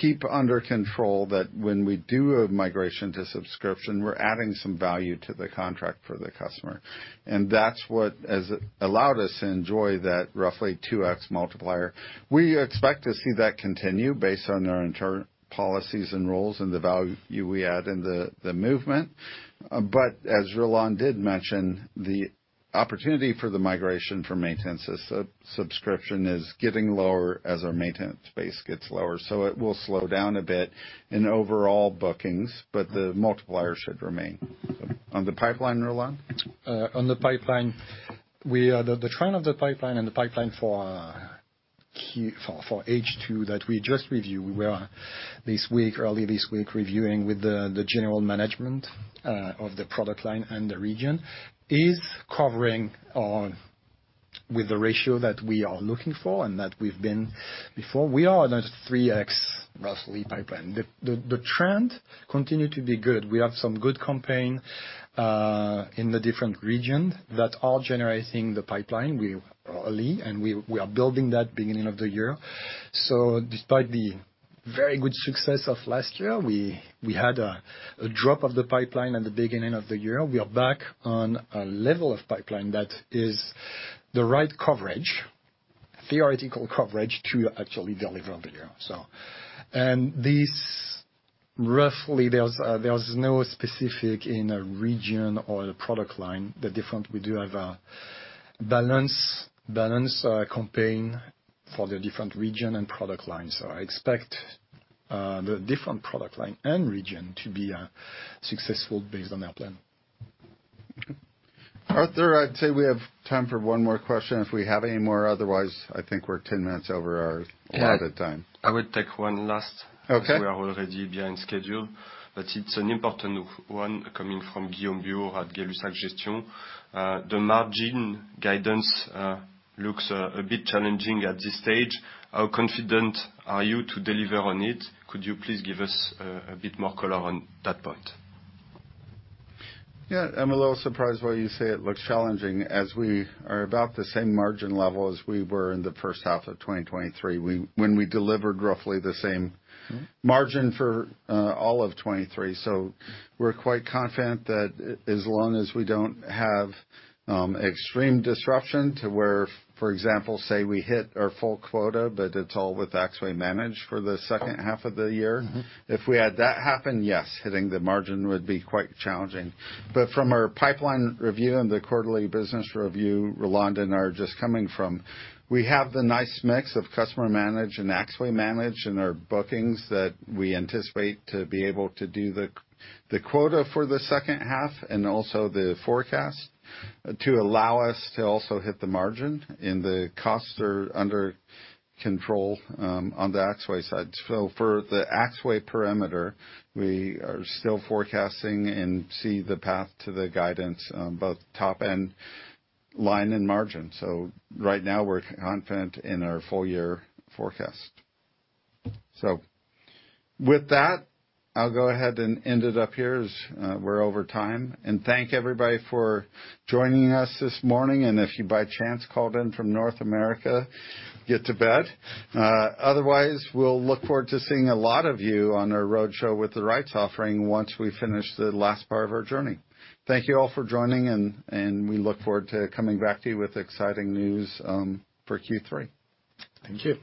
keep under control that when we do a migration to subscription, we're adding some value to the contract for the customer. And that's what has allowed us to enjoy that roughly 2x multiplier. We expect to see that continue based on our internal policies and rules and the value we add in the movement. But as Roland did mention, the opportunity for the migration from maintenance to subscription is getting lower as our maintenance base gets lower, so it will slow down a bit in overall bookings, but the multiplier should remain. On the pipeline, Roland? On the pipeline, the trend of the pipeline and the pipeline for Q for H2 that we just reviewed, we are this week, early this week, reviewing with the general management of the product line and the region is covering on with the ratio that we are looking for and that we've been before. We are on a 3x roughly pipeline. The trend continue to be good. We have some good campaign in the different region that are generating the pipeline. We early and we are building that beginning of the year. So despite the very good success of last year, we had a drop of the pipeline at the beginning of the year. We are back on a level of pipeline that is the right coverage, theoretical coverage, to actually deliver on the year, so. This, roughly, there's no specific in a region or a product line. The different, we do have a balanced campaign for the different region and product lines. So I expect the different product line and region to be successful based on our plan. Arthur, I'd say we have time for one more question, if we have any more. Otherwise, I think we're 10 minutes over our allotted time. I would take one last- Okay. Because we are already behind schedule, but it's an important one coming from Guillaume Buhours at Gay-Lussac Gestion. The margin guidance looks a bit challenging at this stage. How confident are you to deliver on it? Could you please give us a bit more color on that point? Yeah. I'm a little surprised why you say it looks challenging, as we are about the same margin level as we were in the first half of 2023, when we delivered roughly the same margin for all of 2023. So we're quite confident that as long as we don't have extreme disruption to where, for example, say, we hit our full quota, but it's all with Axway Managed for the second half of the year. Mm-hmm. If we had that happen, yes, hitting the margin would be quite challenging. But from our pipeline review and the quarterly business review Roland and I are just coming from, we have the nice mix of Customer Managed and Axway Managed in our bookings that we anticipate to be able to do the quota for the second half, and also the forecast, to allow us to also hit the margin, and the costs are under control on the Axway side. So for the Axway perimeter, we are still forecasting and see the path to the guidance on both top and line and margin. So right now, we're confident in our full year forecast. So with that, I'll go ahead and end it up here as we're over time. Thank everybody for joining us this morning. And if you, by chance, called in from North America, get to bed. Otherwise, we'll look forward to seeing a lot of you on our roadshow with the rights offering once we finish the last part of our journey. Thank you all for joining, and, and we look forward to coming back to you with exciting news for Q3. Thank you.